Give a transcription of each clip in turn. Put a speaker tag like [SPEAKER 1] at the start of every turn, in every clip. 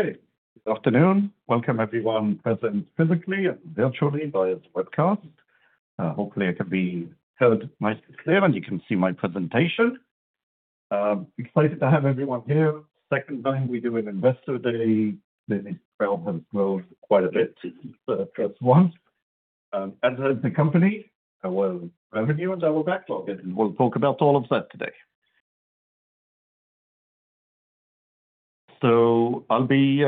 [SPEAKER 1] Hey, good afternoon. Welcome everyone present physically and virtually via this webcast. Hopefully I can be heard nice and clear, and you can see my presentation. Excited to have everyone here. Second time we do an investor day, the trail has grown quite a bit, just once. As has the company, our revenue and our backlog, and we'll talk about all of that today. I'll be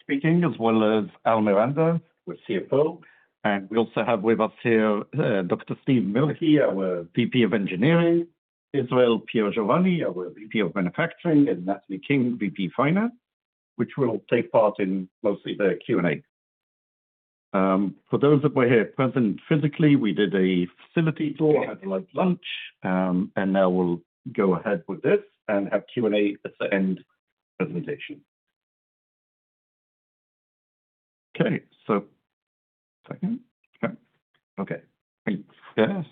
[SPEAKER 1] speaking, as well as Al Miranda, our CFO, and we also have with us here, Dr. Steve Mielke, our VP of Engineering, Israel Piergiovanni, our VP of Manufacturing, and Natalie King, VP Finance, which will take part in mostly the Q&A. For those that were here present physically, we did a facility tour, had a light lunch, and now we'll go ahead with this and have Q&A at the end of the presentation. Okay, 1 second. Okay. Okay, I think yes.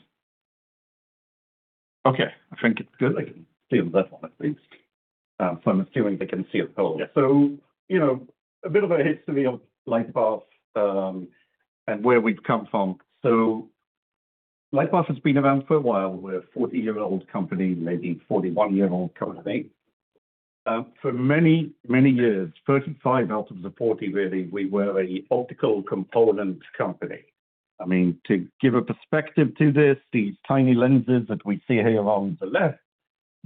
[SPEAKER 1] Okay, I think it's good. I can see on that one, at least. I'm assuming they can see it whole. You know, a bit of a history of LightPath, and where we've come from. LightPath has been around for a while. We're a 40-year-old company, maybe 41-year-old company. For many, many years, 35 years out of the 40 years, really, we were an optical components company. I mean, to give a perspective to this, these tiny lenses that we see here on the left,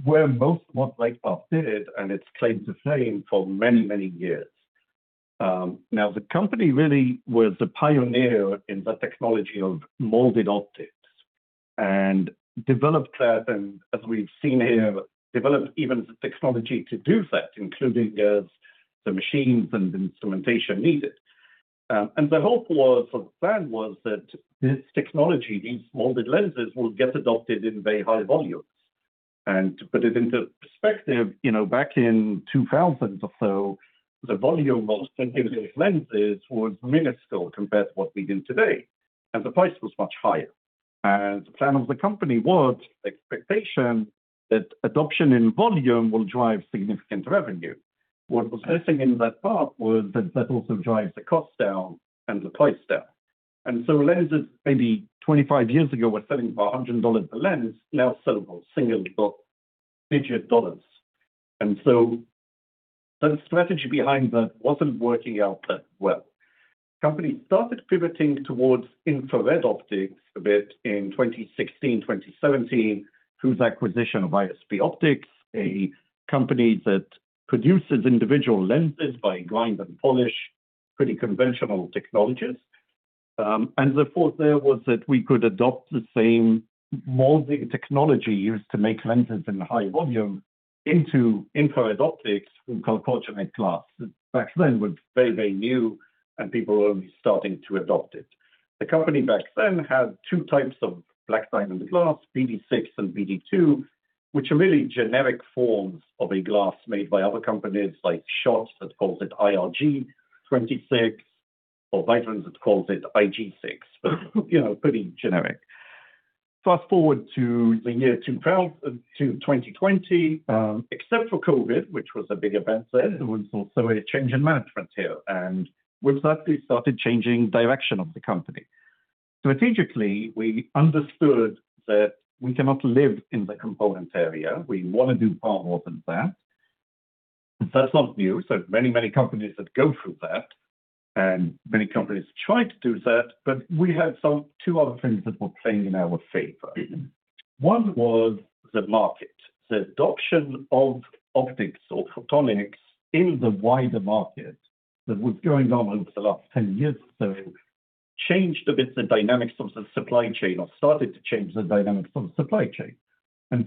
[SPEAKER 1] were most what LightPath did, and it's claimed the same for many, many years. The company really was a pioneer in the technology of molded optics, and developed that, and as we've seen here, developed even the technology to do that, including the machines and the instrumentation needed. The hope was, or the plan was that this technology, these molded lenses, will get adopted in very high volumes. To put it into perspective, you know, back in 2000 or so, the volume of lenses was minuscule compared to what we do today, and the price was much higher. The plan of the company was expectation that adoption in volume will drive significant revenue. What was missing in that part was that also drives the cost down and the price down. Lenses, maybe 25 years ago, were selling for $100 a lens, now sell for single or digit dollars. The strategy behind that wasn't working out that well. Company started pivoting towards infrared optics a bit in 2016, 2017, through the acquisition of ISP Optics, a company that produces individual lenses by grind and polish, pretty conventional technologies. The thought there was that we could adopt the same molding technology used to make lenses in high volume into infrared optics from chalcogenide glass. Back then, it was very, very new, and people were only starting to adopt it. The company back then had two types of BlackDiamond glass, BD6 and BD-2, which are really generic forms of a glass made by other companies like Schott, that calls it IRG 26, or Vitron that calls it IG6. You know, pretty generic. Fast forward to the year to 2020, except for COVID, which was a big event then, there was also a change in management here, and we've actually started changing direction of the company. Strategically, we understood that we cannot live in the component area. We want to do far more than that. That's not new. Many companies that go through that, and many companies try to do that, but we had some, two other things that were playing in our favor. One was the market. The adoption of optics or photonics in the wider market that was going on over the last 10 years or so, changed a bit the dynamics of the supply chain, or started to change the dynamics of the supply chain.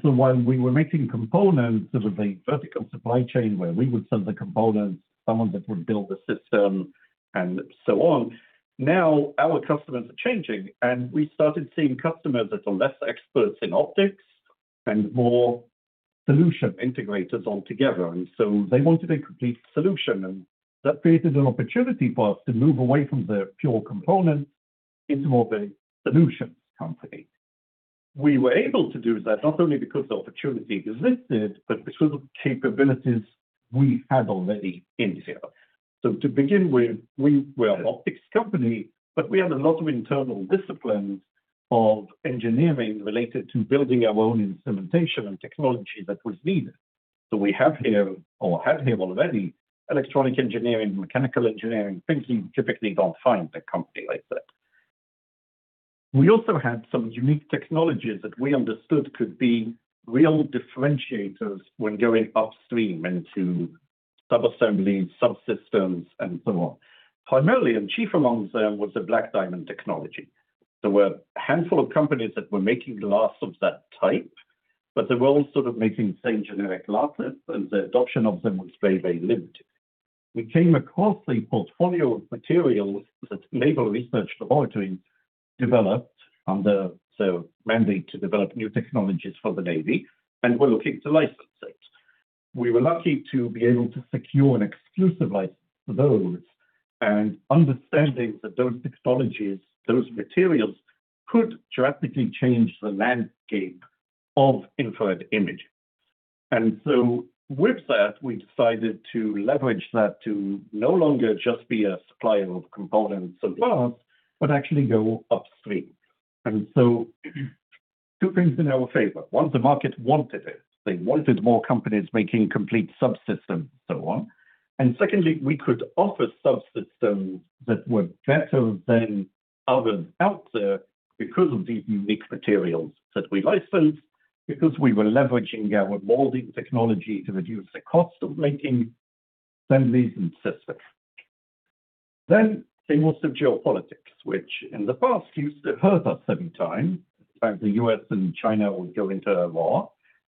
[SPEAKER 1] While we were making components of a vertical supply chain where we would sell the components, someone that would build the system and so on. Now our customers are changing. We started seeing customers that are less experts in optics and more solution integrators altogether. They wanted a complete solution, and that created an opportunity for us to move away from the pure component into more of a solutions company. We were able to do that not only because the opportunity existed, but because of capabilities we had already in here. To begin with, we were an optics company, but we had a lot of internal disciplines of engineering related to building our own instrumentation and technology that was needed. We have here, or had here already, electronic engineering, mechanical engineering, things you typically don't find a company like that. We also had some unique technologies that we understood could be real differentiators when going upstream into sub-assemblies, subsystems, and so on. Primarily, and chief amongst them, was the BlackDiamond technology. There were a handful of companies that were making glass of that type, but they were all sort of making the same generic glasses, and the adoption of them was very, very limited. We came across a portfolio of materials that Naval Research Laboratory developed under the mandate to develop new technologies for the Navy, and were looking to license it. We were lucky to be able to secure an exclusive license for those. Understanding that those technologies, those materials, could drastically change the landscape of infrared imaging. With that, we decided to leverage that to no longer just be a supplier of components and glass, but actually go upstream. Two things in our favor. One, the market wanted it. They wanted more companies making complete subsystems and so on. Secondly, we could offer subsystems that were better than others out there because of these unique materials that we licensed, because we were leveraging our molding technology to reduce the cost of making lenses and systems. Came most of geopolitics, which in the past used to hurt us every time. Every time the U.S. and China would go into a war,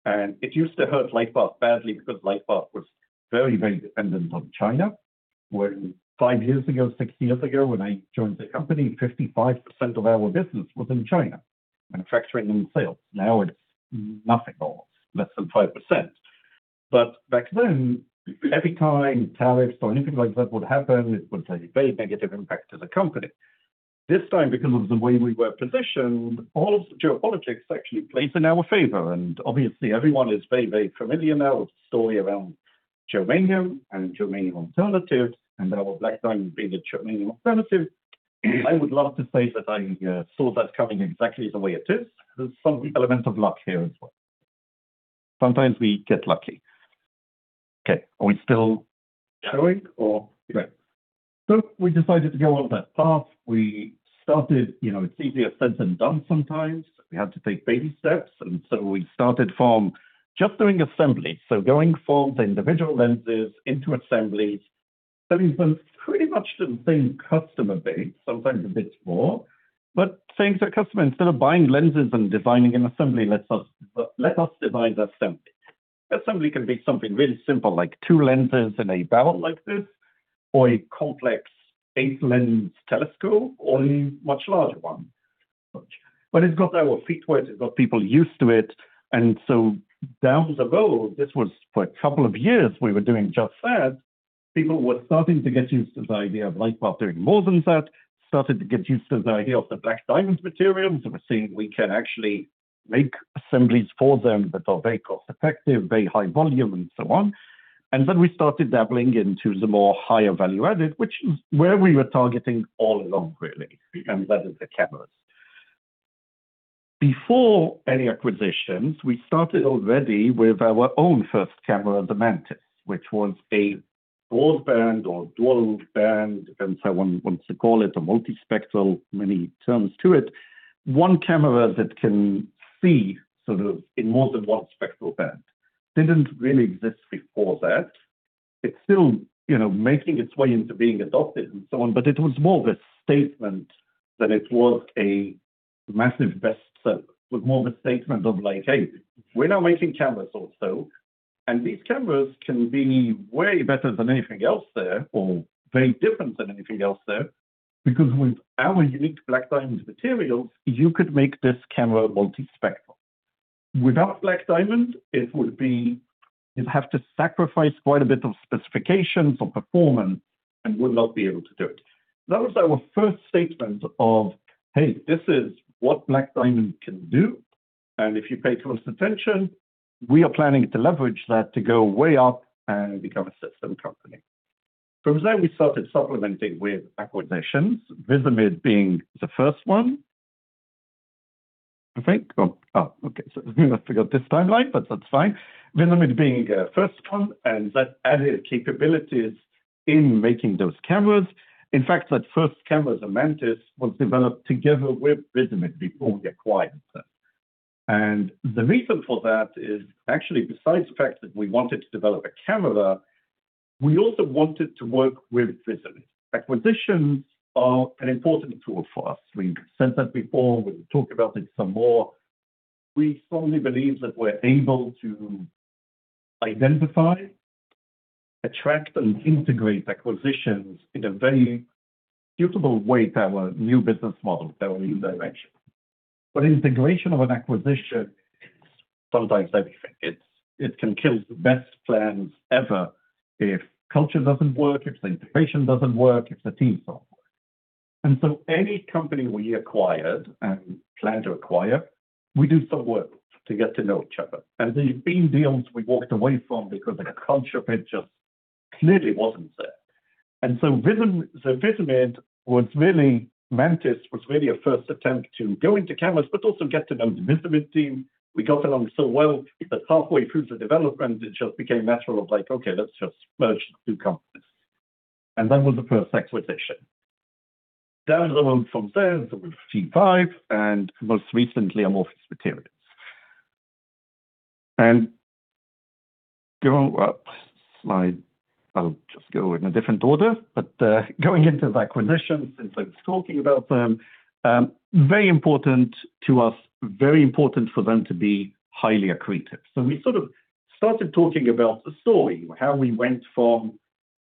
[SPEAKER 1] and it used to hurt LightPath badly because LightPath was very, very dependent on China. When five years ago, six years ago, when I joined the company, 55% of our business was in China, manufacturing and sales. Now it's nothing or less than 5%. Back then, every time tariffs or anything like that would happen, it would have a very negative impact to the company. This time, because of the way we were positioned, all of the geopolitics actually plays in our favor, and obviously everyone is very, very familiar now with the story around germanium and germanium alternative, and our Black Diamond being the germanium alternative. I would love to say that I saw that coming exactly the way it is. There's some elements of luck here as well. Sometimes we get lucky. Okay, are we still going or? Great. We decided to go on that path. We started. You know, it's easier said than done sometimes. We had to take baby steps, and so we started from just doing assembly. Going from the individual lenses into assemblies, selling them pretty much the same customer base, sometimes a bit more. Saying to the customer, "Instead of buying lenses and designing an assembly, let us design the assembly." Assembly can be something really simple, like two lenses in a barrel like this, or a complex eight-lens telescope, or a much larger one. It's got our feet wet, it got people used to it. Down the road, this was for a couple of years, we were doing just that. People were starting to get used to the idea of LightPath doing more than that, started to get used to the idea of the Black Diamond materials, and were seeing we can actually make assemblies for them that are very cost-effective, very high volume, and so on. We started dabbling into the more higher value added, which is where we were targeting all along, really, and that is the cameras. Before any acquisitions, we started already with our own first camera, the Mantis, which was a broadband or dual band, depends on what you want to call it, a multispectral, many terms to it. One camera that can see sort of in more than one spectral band. Didn't really exist before that. It's still, you know, making its way into being adopted and so on, but it was more of a statement than it was a massive best seller. It was more of a statement of like, "Hey, we're now making cameras also, and these cameras can be way better than anything else there, or very different than anything else there, because with our unique BlackDiamond materials, you could make this camera multispectral." Without BlackDiamond, it would be. You'd have to sacrifice quite a bit of specifications or performance and would not be able to do it. That was our first statement of, "Hey, this is what BlackDiamond can do, and if you pay close attention, we are planning to leverage that to go way up and become a system company." From there, we started supplementing with acquisitions, Visimid being the first one, I think. Oh, oh, okay, I forgot this timeline, but that's fine. Visimid being the first one, and that added capabilities in making those cameras. In fact, that first camera, the Mantis, was developed together with Visimid before we acquired them. The reason for that is actually, besides the fact that we wanted to develop a camera, we also wanted to work with Visimid. Acquisitions are an important tool for us. We've said that before, we'll talk about it some more. We strongly believe that we're able to identify, attract, and integrate acquisitions in a very suitable way to our new business model, our new direction. Integration of an acquisition is sometimes everything. It can kill the best plans ever if culture doesn't work, if the integration doesn't work, if the team doesn't work. Any company we acquired and plan to acquire, we do some work to get to know each other. There have been deals we walked away from because the culture bit just clearly wasn't there. Visimid was really, Mantis, was really a first attempt to go into cameras, but also get to know the Visimid team. We got along so well, that halfway through the development, it just became natural of like, "Okay, let's just merge the two companies." That was the first acquisition. Down the road from there was G5 and most recently, Amorphous Materials. Going up, slide, I'll just go in a different order, but going into the acquisitions, since I was talking about them, very important to us, very important for them to be highly accretive. We sort of started talking about the story, how we went from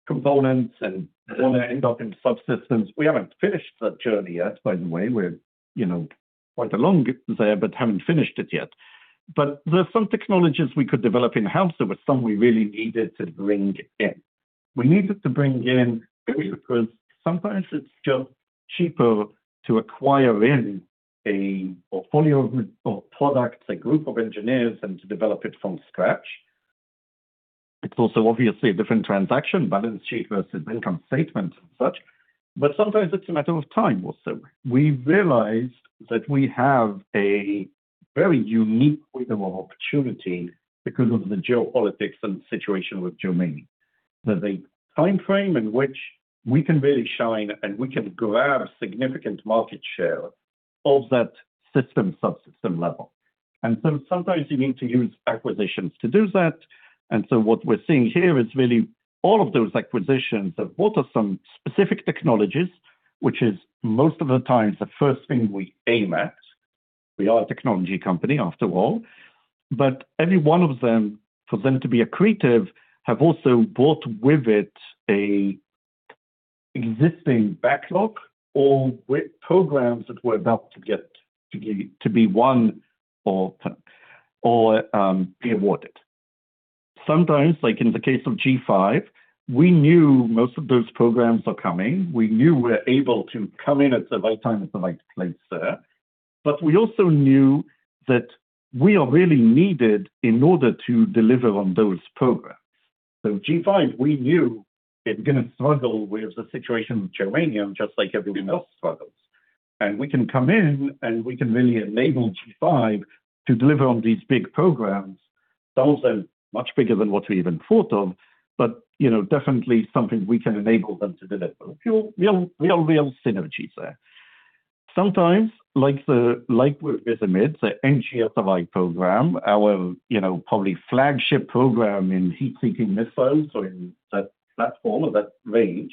[SPEAKER 1] components and want to end up in subsystems. We haven't finished that journey yet, by the way. We're, you know, quite along there, but haven't finished it yet. There are some technologies we could develop in-house, there were some we really needed to bring in. We needed to bring in, really, because sometimes it's just cheaper to acquire in a portfolio of products, a group of engineers, than to develop it from scratch. It's also obviously a different transaction, balance sheet versus income statement and such, but sometimes it's a matter of time also. We realized that we have a very unique window of opportunity because of the geopolitics and situation with Germany. The timeframe in which we can really shine, and we can grab significant market share of that system, subsystem level. Sometimes you need to use acquisitions to do that, and so what we're seeing here is really all of those acquisitions that bought us some specific technologies, which is most of the times, the first thing we aim at. We are a technology company, after all. Every one of them, for them to be accretive, have also brought with it a existing backlog or with programs that were about to get to be won or be awarded. Sometimes, like in the case of G5, we knew most of those programs are coming. We knew we're able to come in at the right time, at the right place there. We also knew that we are really needed in order to deliver on those programs. G5, we knew it was gonna struggle with the situation with germanium, just like everyone else struggles. We can come in, and we can really enable G5 to deliver on these big programs. Some of them much bigger than what we even thought of, but, you know, definitely something we can enable them to deliver. Real synergies there. Sometimes, like with Visimid, the NGSRI program, our, you know, probably flagship program in heat-seeking missiles, or in that platform or that range,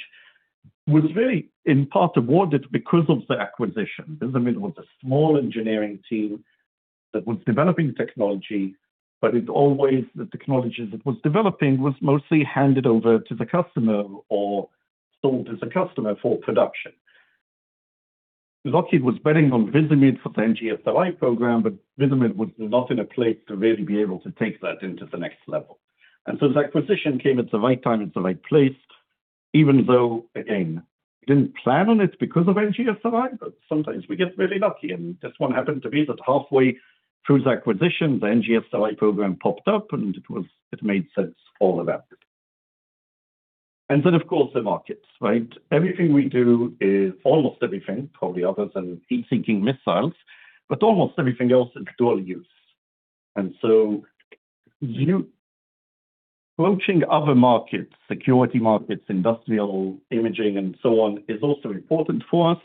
[SPEAKER 1] was very, in part, awarded because of the acquisition. Visimid was a small engineering team that was developing technology, but it's always the technologies it was developing, was mostly handed over to the customer or sold as a customer for production. Lockheed was betting on Visimid for the NGSRI program, but Visimid was not in a place to really be able to take that into the next level. The acquisition came at the right time, at the right place, even though, again, we didn't plan on it because of NGSRI, but sometimes we get really lucky, and this one happened to be that halfway through the acquisition, the NGSRI program popped up, and it made sense all of that. Of course, the markets, right? Everything we do is, almost everything, probably other than heat-seeking missiles, but almost everything else is dual use. Approaching other markets, security markets, industrial imaging, and so on, is also important for us,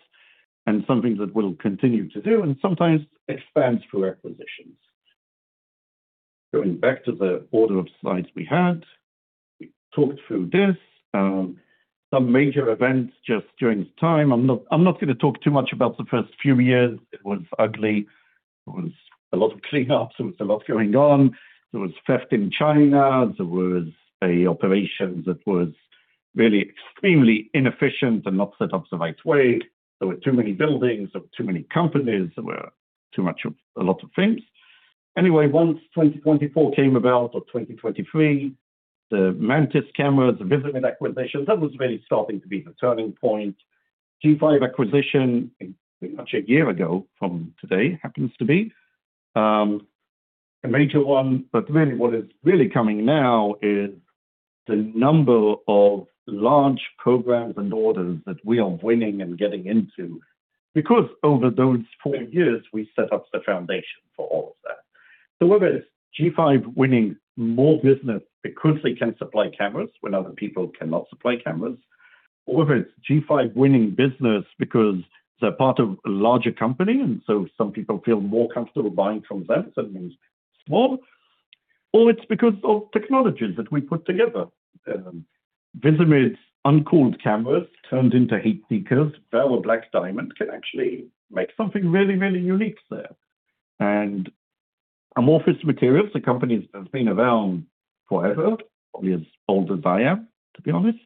[SPEAKER 1] and something that we'll continue to do, and sometimes it stands for acquisitions. Going back to the order of slides we had. We talked through this, some major events just during the time. I'm not gonna talk too much about the first few years. It was ugly. It was a lot of clean up. There was a lot going on. There was theft in China. There was a operation that was really extremely inefficient and not set up the right way. There were too many buildings. There were too many companies. There were too much of a lot of things. Once 2024 came about, or 2023, the Mantis camera, the Visimid acquisition, that was really starting to be the turning point. G5 acquisition, pretty much a year ago from today, happens to be a major one, really, what is really coming now is the number of large programs and orders that we are winning and getting into, because over those four years, we set up the foundation for all of that. Whether it's G5 winning more business because they can supply cameras when other people cannot supply cameras, or whether it's G5 winning business because they're part of a larger company, and so some people feel more comfortable buying from them than these small, or it's because of technologies that we put together. Visimid's uncooled cameras turned into heat seekers. Our BlackDiamond can actually make something really, really unique there. Amorphous Materials, the company has been around forever, probably as old as I am, to be honest,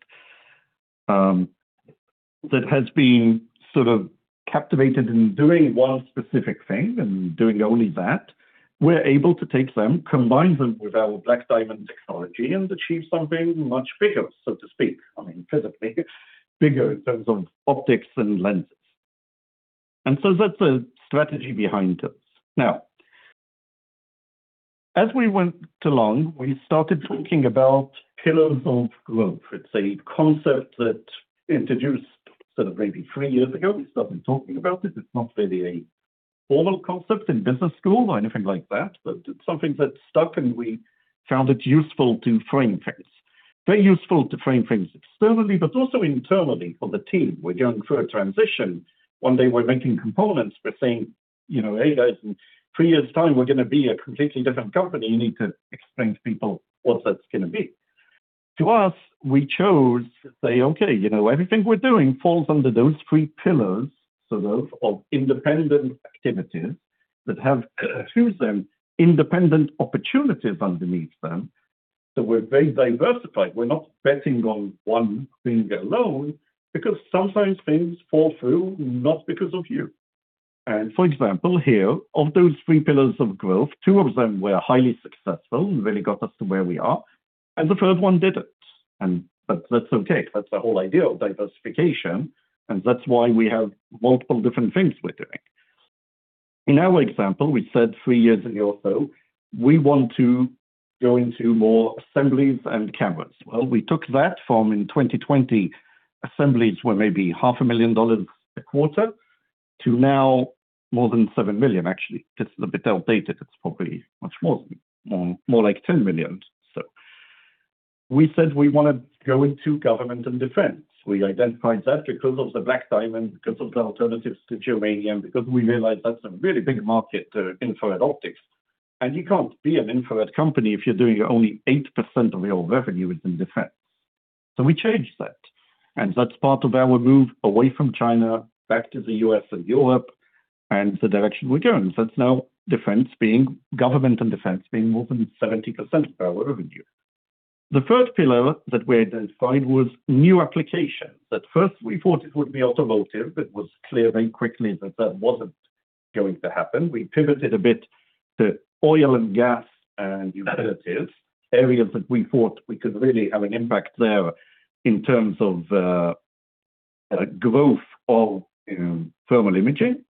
[SPEAKER 1] that has been sort of captivated in doing one specific thing and doing only that. We're able to take them, combine them with our BlackDiamond technology, and achieve something much bigger, so to speak. I mean, physically, bigger in terms of optics and lenses. That's the strategy behind this. As we went along, we started talking about pillars of growth. It's a concept that introduced sort of maybe three years ago. We started talking about this. It's not really a formal concept in business school or anything like that, but it's something that stuck, and we found it useful to frame things. Very useful to frame things externally, but also internally for the team. We're going through a transition. One day we're making components, we're saying, "You know, hey, guys, in three years' time, we're gonna be a completely different company. You need to explain to people what that's gonna be." To us, we chose to say, "Okay, you know, everything we're doing falls under those three pillars, sort of independent activities that have through them, independent opportunities underneath them." We're very diversified. We're not betting on one thing alone, because sometimes things fall through, not because of you. For example, here, of those three pillars of growth, two of them were highly successful and really got us to where we are, and the third one didn't. That's okay. That's the whole idea of diversification, and that's why we have multiple different things we're doing. In our example, we said three years ago, so we want to go into more assemblies and cameras. Well, we took that from in 2020, assemblies were maybe half a million dollars a quarter, to now more than $7 million, actually. This is a bit out of date, it's probably much more, more like $10 million. We said we wanna go into government and defense. We identified that because of the BlackDiamond, because of the alternatives to Germanium, because we realized that's a really big market to infrared optics. You can't be an infrared company if you're doing only 8% of your revenue is in defense. We changed that, and that's part of our move away from China back to the U.S. and Europe, and the direction we're going. That's now defense being government, and defense being more than 70% of our revenue. The first pillar that we identified was new applications. At first, we thought it would be automotive. It was clear very quickly that that wasn't going to happen. We pivoted a bit to oil and gas and utilities, areas that we thought we could really have an impact there in terms of growth of thermal imaging.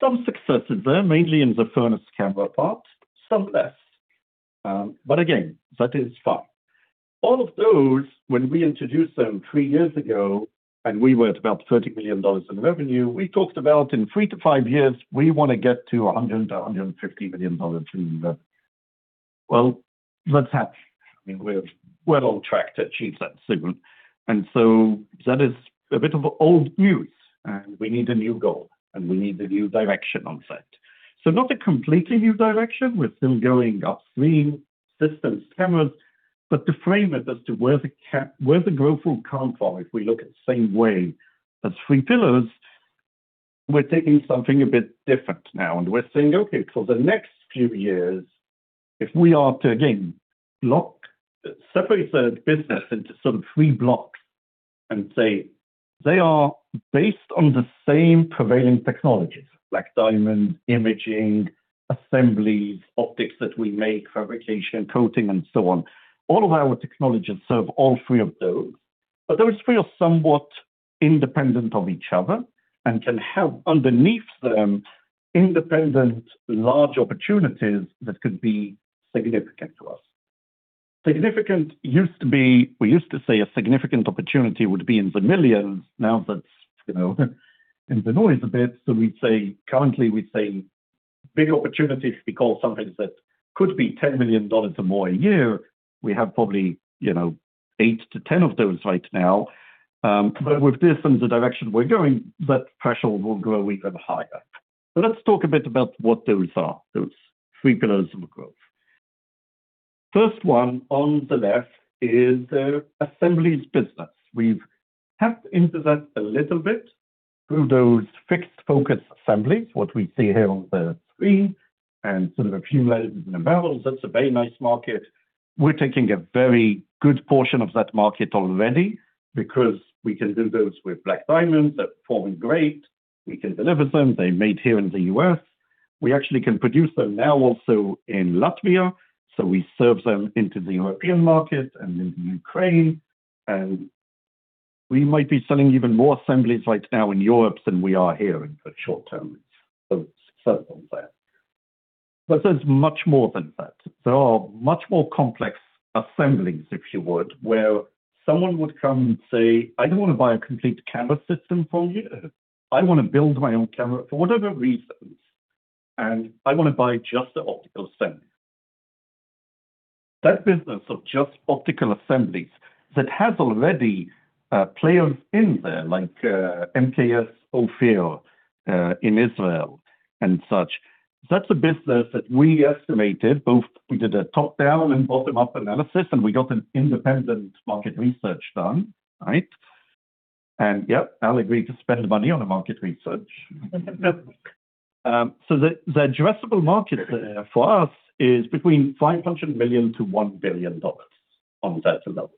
[SPEAKER 1] Some successes there, mainly in the furnace camera part, some less. Again, that is fine. All of those, when we introduced them three years ago, and we were at about $30 million in revenue, we talked about in three to five years, we wanna get to $100 million-$150 million in revenue. That's happened. I mean, we're on track to achieve that soon, and so that is a bit of old news, and we need a new goal, and we need a new direction on set. Not a completely new direction. We're still going our screen systems, cameras. To frame it as to where the growth will come from, we look at the same way as three pillars, we're taking something a bit different now. We're saying, "Okay, for the next few years, if we are to again, separate the business into sort of three blocks and say they are based on the same prevailing technologies, like BlackDiamond, imaging, assemblies, optics that we make, fabrication, coating, and so on." All of our technologies serve all three of those. Those three are somewhat independent of each other and can have, underneath them, independent, large opportunities that could be significant to us. We used to say a significant opportunity would be in the millions. That's, you know, in the noise a bit, currently, we'd say big opportunities, we call something that could be $10 million or more a year. We have probably, you know, $8 million-10 million of those right now. With this and the direction we're going, that threshold will grow even higher. Let's talk a bit about what those are, those three pillars of growth. First one on the left is the assemblies business. We've tapped into that a little bit through those fixed focus assemblies, what we see here on the screen, and sort of accumulated in the barrels. That's a very nice market. We're taking a very good portion of that market already because we can do those with BlackDiamond that perform great. We can deliver them. They're made here in the U.S. We actually can produce them now also in Latvia, we serve them into the European market and in Ukraine, we might be selling even more assemblies right now in Europe than we are here in the short term. Certain there. There's much more than that. There are much more complex assemblies, if you would, where someone would come and say, "I don't want to buy a complete camera system from you. I want to build my own camera for whatever reasons, and I want to buy just the optical assembly." That business of just optical assemblies, that has already players in there, like MKS Ophir, in Israel and such. That's a business that we estimated, both we did a top-down and bottom-up analysis, and we got an independent market research done, right? Yep, Al agreed to spend money on a market research. The addressable market there for us is between $500 million-$1 billion on that alone.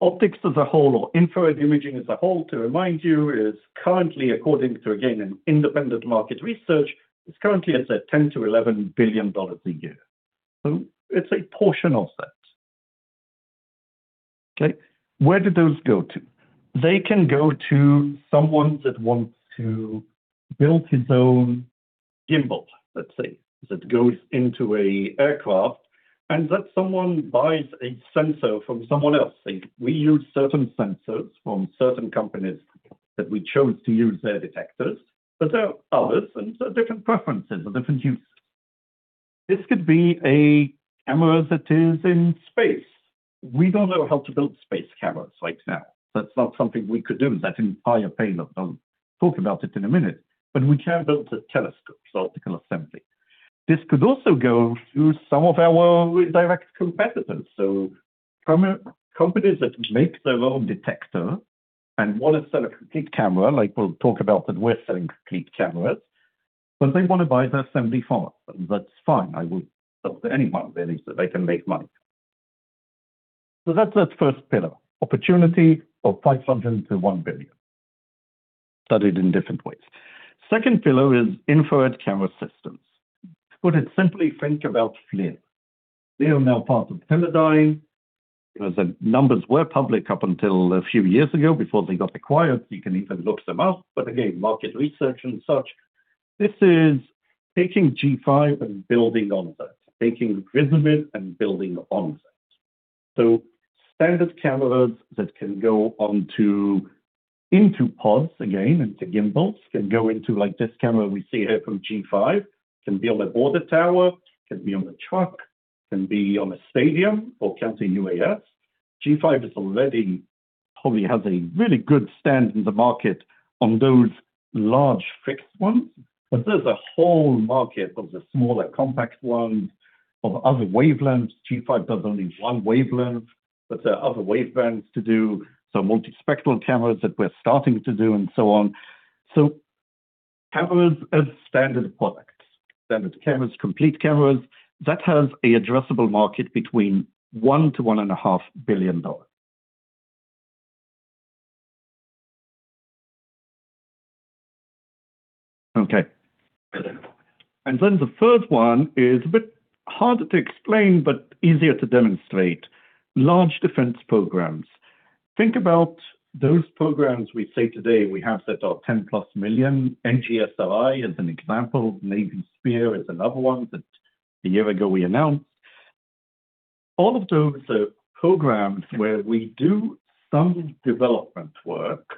[SPEAKER 1] Optics as a whole or infrared imaging as a whole, to remind you, is currently, according to, again, an independent market research, is currently at $10 billion-$11 billion a year. It's a portion of that. Where do those go to? They can go to someone that wants to build his own gimbal, let's say, that goes into a aircraft, and that someone buys a sensor from someone else. We use certain sensors from certain companies that we chose to use their detectors, but there are others, and so different preferences or different uses. This could be a camera that is in space. We don't know how to build space cameras right now. That's not something we could do. That entire panel, I'll talk about it in a minute, but we can build the telescopes, optical assembly. This could also go to some of our direct competitors. Companies that make their own detector and want to sell a complete camera, like we'll talk about that we're selling complete cameras, but they want to buy the assembly parts, and that's fine. I would sell to anyone, really, so they can make money. That's the first pillar, opportunity of $500 million-$1 billion, studied in different ways. Second pillar is infrared camera systems. To put it simply, think about FLIR. They are now part of Teledyne. You know, the numbers were public up until a few years ago before they got acquired. You can even look them up, but again, market research and such. This is taking G5 and building on that, taking the rhythm of it and building on that. Standard cameras that can go onto, into pods, again, into gimbals, can go into, like this camera we see here from G5, can be on a border tower, can be on a truck, can be on a stadium or counter UAS. G5 is already, probably has a really good stand in the market on those large fixed ones, but there's a whole market of the smaller, compact ones, of other wavelengths. G5 does only one wavelength, there are other wavelengths to do, multispectral cameras that we're starting to do, and so on. Cameras as standard products. Standard cameras, complete cameras, that has a addressable market between $1 billion-$1.5 billion. Okay. The third one is a bit harder to explain, but easier to demonstrate, large defense programs. Think about those programs we say today, we have that are $10+ million. NGSRI is an example. Navy Spear is another one that a year ago we announced. All of those are programs where we do some development work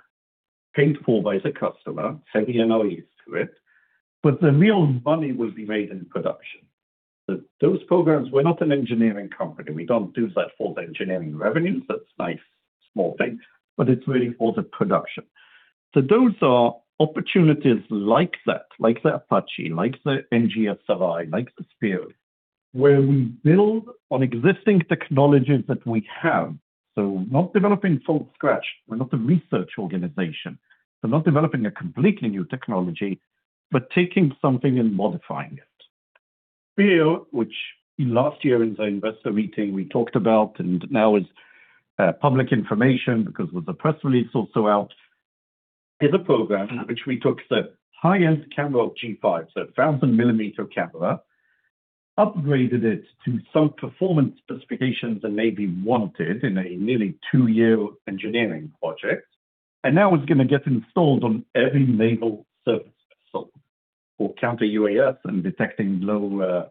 [SPEAKER 1] paid for by the customer, heavy NREs to it, the real money will be made in production. Those programs, we're not an engineering company. We don't do that for the engineering revenues. That's nice small things, it's really for the production. Those are opportunities like that, like the Apache, like the NGSRI, like the SPEAR, where we build on existing technologies that we have. We're not developing from scratch. We're not a research organization. Not developing a completely new technology, taking something and modifying it. SPEAR, which last year in the investor meeting we talked about, and now is public information because with the press release also out, is a program in which we took the high-end camera of G5, so a 1,000-millimeter camera, upgraded it to some performance specifications the Navy wanted in a nearly two-year engineering project, and now it's gonna get installed on every naval surface vessel for counter-UAS and detecting low,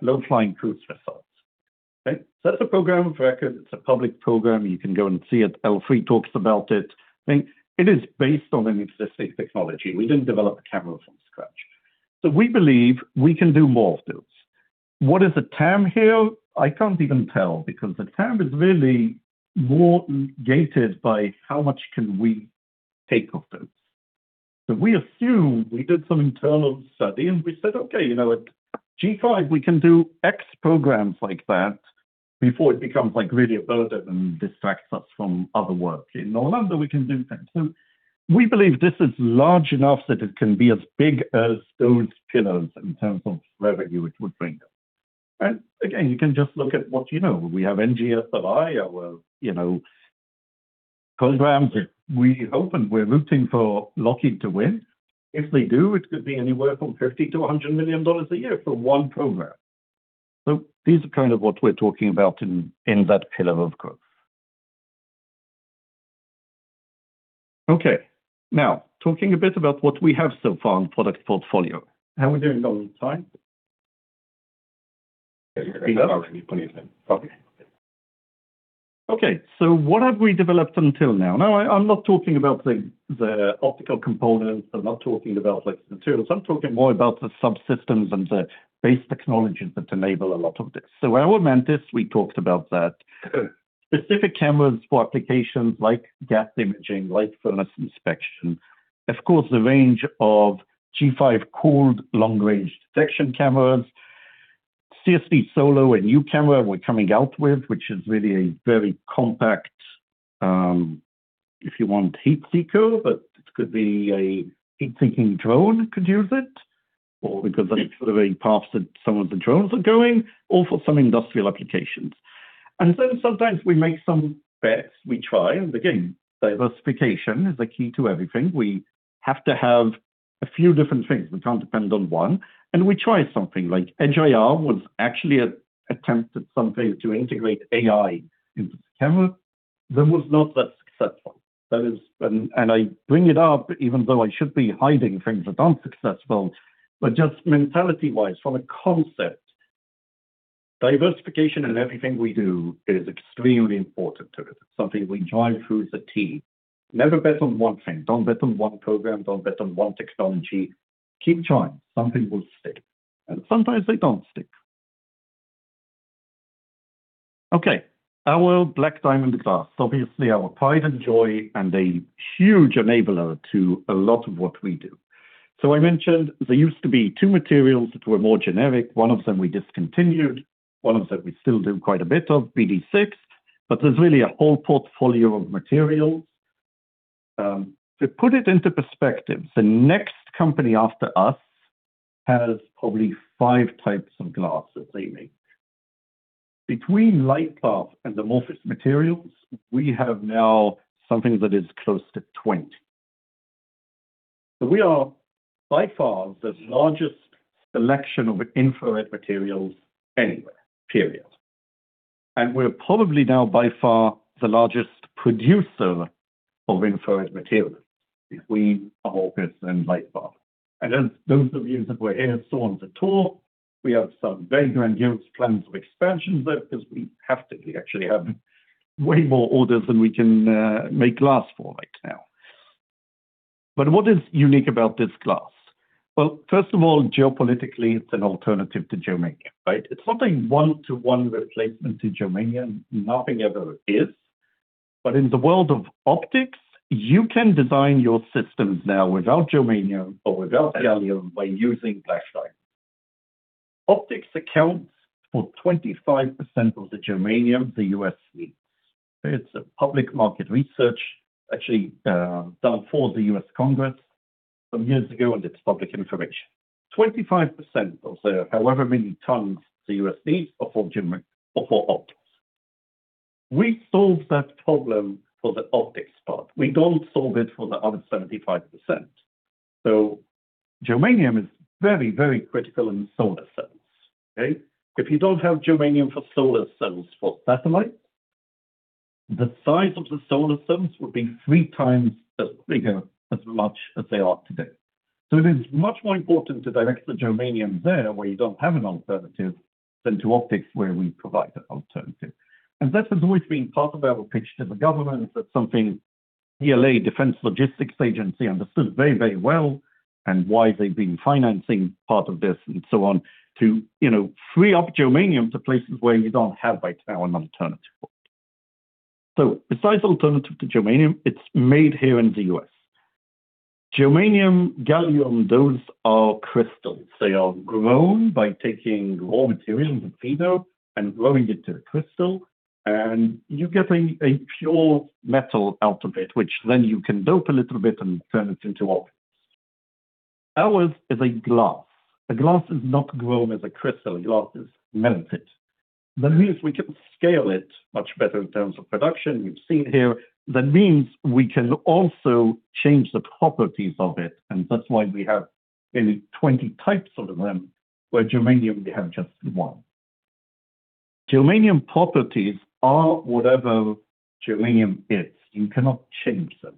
[SPEAKER 1] low-flying cruise missiles. Okay? So that's a program of record. It's a public program. You can go and see it. L3 talks about it. I think it is based on an existing technology. We didn't develop a camera from scratch. So we believe we can do more of those. What is the TAM here? I can't even tell, because the TAM is really more gated by how much can we take of those. We assume, we did some internal study, and we said, "Okay, you know, at G5, we can do X programs like that before it becomes, like, really a burden and distracts us from other work. In Orlando, we can do 10." We believe this is large enough that it can be as big as those pillars in terms of revenue it would bring us. Again, you can just look at what you know. We have NGSRI, our, you know, programs that we hope and we're rooting for Lockheed to win. If they do, it could be anywhere from $50 million-$100 million a year for one program. These are kind of what we're talking about in that pillar of growth. Now, talking a bit about what we have so far in product portfolio. How are we doing on time? 8 hours, plenty of time. Okay. Okay, what have we developed until now? Now, I'm not talking about the optical components. I'm not talking about, like, the materials. I'm talking more about the subsystems and the base technologies that enable a lot of this. Our Mantis, we talked about that. Specific cameras for applications like gas imaging, like furnace inspection. Of course, the range of G5 cooled long-range detection cameras. CSV Solo, a new camera we're coming out with, which is really a very compact, if you want, heat seeker, but it could be a heat-seeking drone could use it, or because that's sort of a path that some of the drones are going, or for some industrial applications. Sometimes we make some bets, we try, and again, diversification is the key to everything. We have to have a few different things. We can't depend on one. We try something. Like NGI was actually an attempt at some phase to integrate AI into the camera, that was not that successful. I bring it up, even though I should be hiding things that aren't successful, but just mentality-wise, from a concept, diversification in everything we do is extremely important to it. It's something we drive through the team. Never bet on one thing. Don't bet on one program. Don't bet on one technology. Keep trying. Some things will stick, and sometimes they don't stick. Okay, our BlackDiamond glass. Obviously, our pride and joy and a huge enabler to a lot of what we do. I mentioned there used to be two materials that were more generic. One of them we discontinued, one of them we still do quite a bit of, BD6. There's really a whole portfolio of materials. To put it into perspective, the next company after us has probably five types of glass that they make. Between LightPath and Amorphous Materials, we have now something that is close to 20. We are by far the largest selection of infrared materials anywhere, period. We're probably now, by far, the largest producer of infrared materials between Amorphous and LightPath. As those of you that were here saw on the tour, we have some very grandiose plans of expansion there, because we have to. We actually have way more orders than we can make glass for right now. What is unique about this glass? Well, first of all, geopolitically, it's an alternative to germanium, right? It's not a 1-to-1 replacement to germanium. Nothing ever is. In the world of optics, you can design your systems now without germanium or without gallium by using BlackDiamond. Optics accounts for 25% of the germanium the U.S. needs. It's a public market research actually, done for the U.S. Congress some years ago. It's public information. 25% of the however many tons the U.S. needs are for optics. We solved that problem for the optics part. We don't solve it for the other 75%. Germanium is very, very critical in solar cells, okay? If you don't have germanium for solar cells, for satellites, the size of the solar cells would be 3x as bigger, as much as they are today. It is much more important to direct the germanium there, where you don't have an alternative, than to optics, where we provide the alternative. That has always been part of our pitch to the government. That's something DLA, Defense Logistics Agency, understood very, very well, and why they've been financing part of this and so on, to, you know, free up germanium to places where you don't have, right now, an alternative for. Besides alternative to germanium, it's made here in the U.S. Germanium, gallium, those are crystals. They are grown by taking raw materials, the feeder, and growing it to a crystal, and you get a pure metal out of it, which then you can dope a little bit and turn it into optics. Ours is a glass. A glass is not grown as a crystal, glass is melted. That means we can scale it much better in terms of production. You've seen here. That means we can also change the properties of it, and that's why we have maybe 20 types of them, where germanium, we have just one. Germanium properties are whatever germanium is. You cannot change them.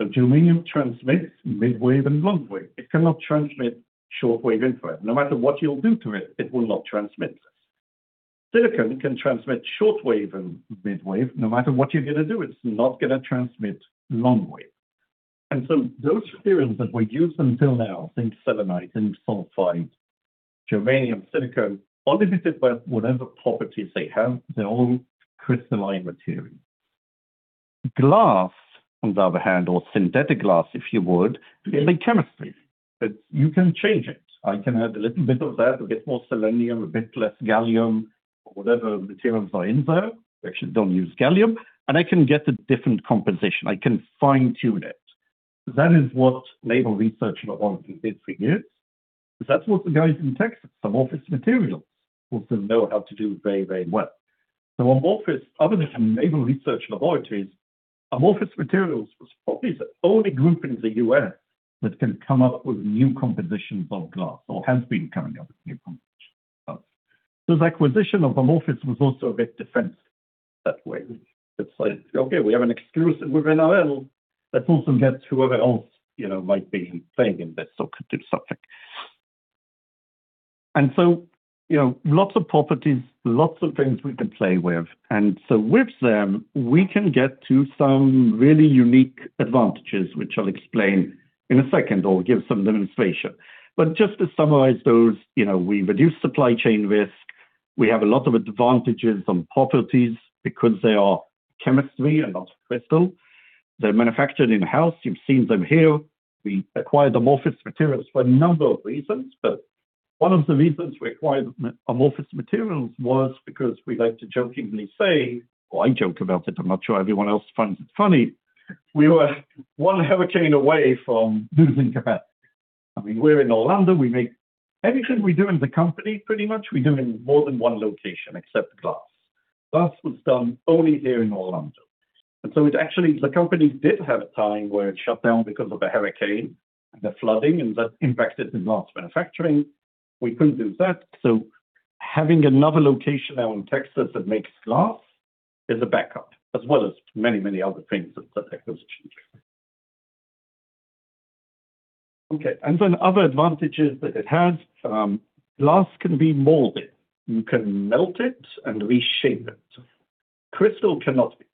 [SPEAKER 1] Germanium transmits midwave and long wave. It cannot transmit short wave infrared. No matter what you'll do to it will not transmit this. Silicon can transmit short wave and midwave. No matter what you're gonna do, it's not gonna transmit long wave. Those materials that we use until now, think selenide, think sulfide, germanium, silicon, all limited by whatever properties they have, their own crystalline material. Glass, on the other hand, or synthetic glass, if you would, is a chemistry, that you can change it. I can add a little bit of that, a bit more selenium, a bit less gallium, or whatever materials are in there. We actually don't use gallium. I can get a different composition. I can fine-tune it. That is what Naval Research Laboratory did for years. That's what the guys in Texas, Amorphous Materials, also know how to do very, very well. Amorphous, other than Naval Research Laboratories, Amorphous Materials was probably the only group in the U.S. that can come up with new compositions of glass or has been coming up with new compositions of glass. The acquisition of Amorphous was also a bit different that way. It's like, okay, we have an exclusive within RL. Let's also get whoever else, you know, might be playing in this lucrative subject. You know, lots of properties, lots of things we can play with, and so with them, we can get to some really unique advantages, which I'll explain in a second or give some demonstration. Just to summarize those, you know, we reduce supply chain risk. We have a lot of advantages on properties because they are chemistry and not crystal. They're manufactured in-house. You've seen them here. We acquired Amorphous Materials for a number of reasons, but one of the reasons we acquired Amorphous Materials was because we like to jokingly say, or I joke about it, I'm not sure everyone else finds it funny, we were one hurricane away from losing capacity. I mean, we're in Orlando. Everything we do in the company, pretty much, we do in more than one location, except glass. Glass was done only here in Orlando. It actually, the company did have a time where it shut down because of a hurricane and the flooding, and that impacted the glass manufacturing. We couldn't do that, so having another location out in Texas that makes glass is a backup, as well as many, many other things that affect those changes. Other advantages that it has, glass can be molded. You can melt it and reshape it. Crystal cannot be.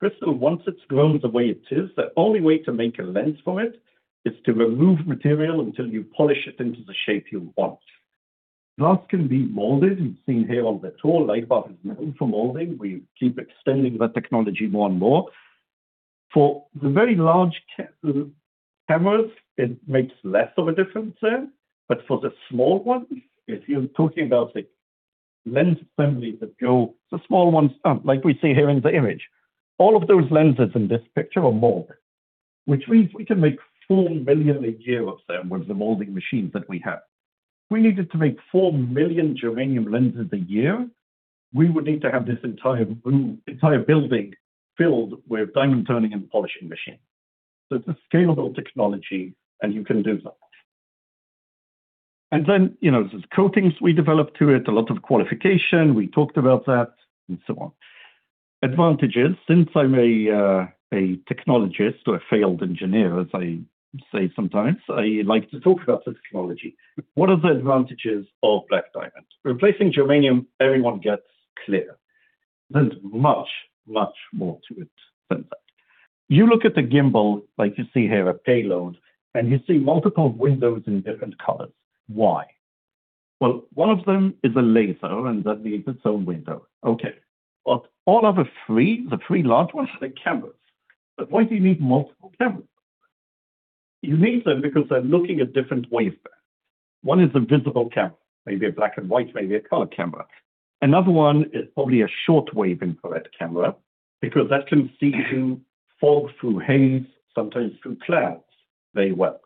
[SPEAKER 1] Crystal, once it's grown the way it is, the only way to make a lens from it is to remove material until you polish it into the shape you want. Glass can be molded, and seen here on the tool, LightPath is known for molding. We keep extending the technology more and more. For the very large cameras, it makes less of a difference there. For the small ones, if you're talking about the lens assembly, the small ones, like we see here in the image. All of those lenses in this picture are mold, which means we can make 4 million a year of them with the molding machines that we have. If we needed to make 4 million germanium lenses a year, we would need to have this entire room, entire building filled with diamond turning and polishing machines. It's a scalable technology. You can do that. You know, there's coatings we developed to it, a lot of qualification, we talked about that, and so on. Advantages, since I'm a technologist or a failed engineer, as I say, sometimes, I like to talk about the technology. What are the advantages of BlackDiamond? Replacing Germanium, everyone gets clear. There's much, much more to it than that. You look at the gimbal, like you see here, a payload, and you see multiple windows in different colors. Why? One of them is a laser, and that needs its own window. All of the three, the three large ones are the cameras. Why do you need multiple cameras? You need them because they're looking at different wavelengths. One is a visible camera, maybe a black and white, maybe a color camera. Another one is probably a shortwave infrared camera, because that can see through fog, through haze, sometimes through clouds very well.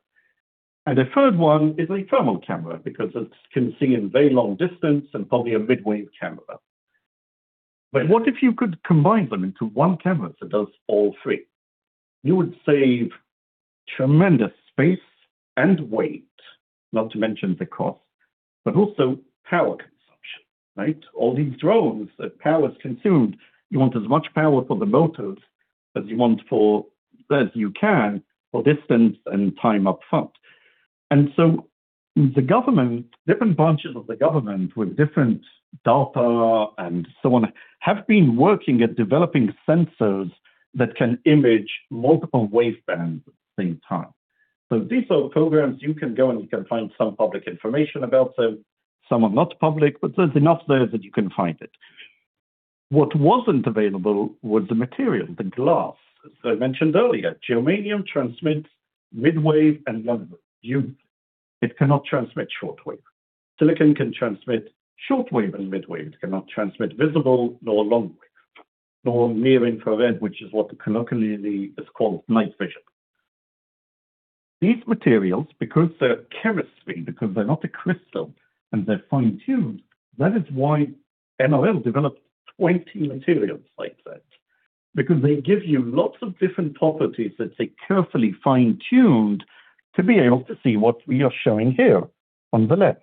[SPEAKER 1] The third one is a thermal camera, because it can see in very long distance and probably a midwave camera. What if you could combine them into one camera that does all three? You would save tremendous space and weight, not to mention the cost, but also power consumption, right? All these drones, the power is consumed. You want as much power for the motors as you want for, as you can, for distance and time up front. The government, different branches of the government with different data and so on, have been working at developing sensors that can image multiple wavebands at the same time. These are programs you can go and you can find some public information about them. Some are not public, but there's enough there that you can find it. What wasn't available was the material, the glass. As I mentioned earlier, germanium transmits midwave and longwave. It cannot transmit shortwave. Silicon can transmit shortwave and midwave. It cannot transmit visible nor long wave, nor near infrared, which is what colloquially is called night vision. These materials, because they're kerosene, because they're not a crystal, and they're fine-tuned, that is why NOL developed 20 materials like that, because they give you lots of different properties that they carefully fine-tuned to be able to see what we are showing here on the left.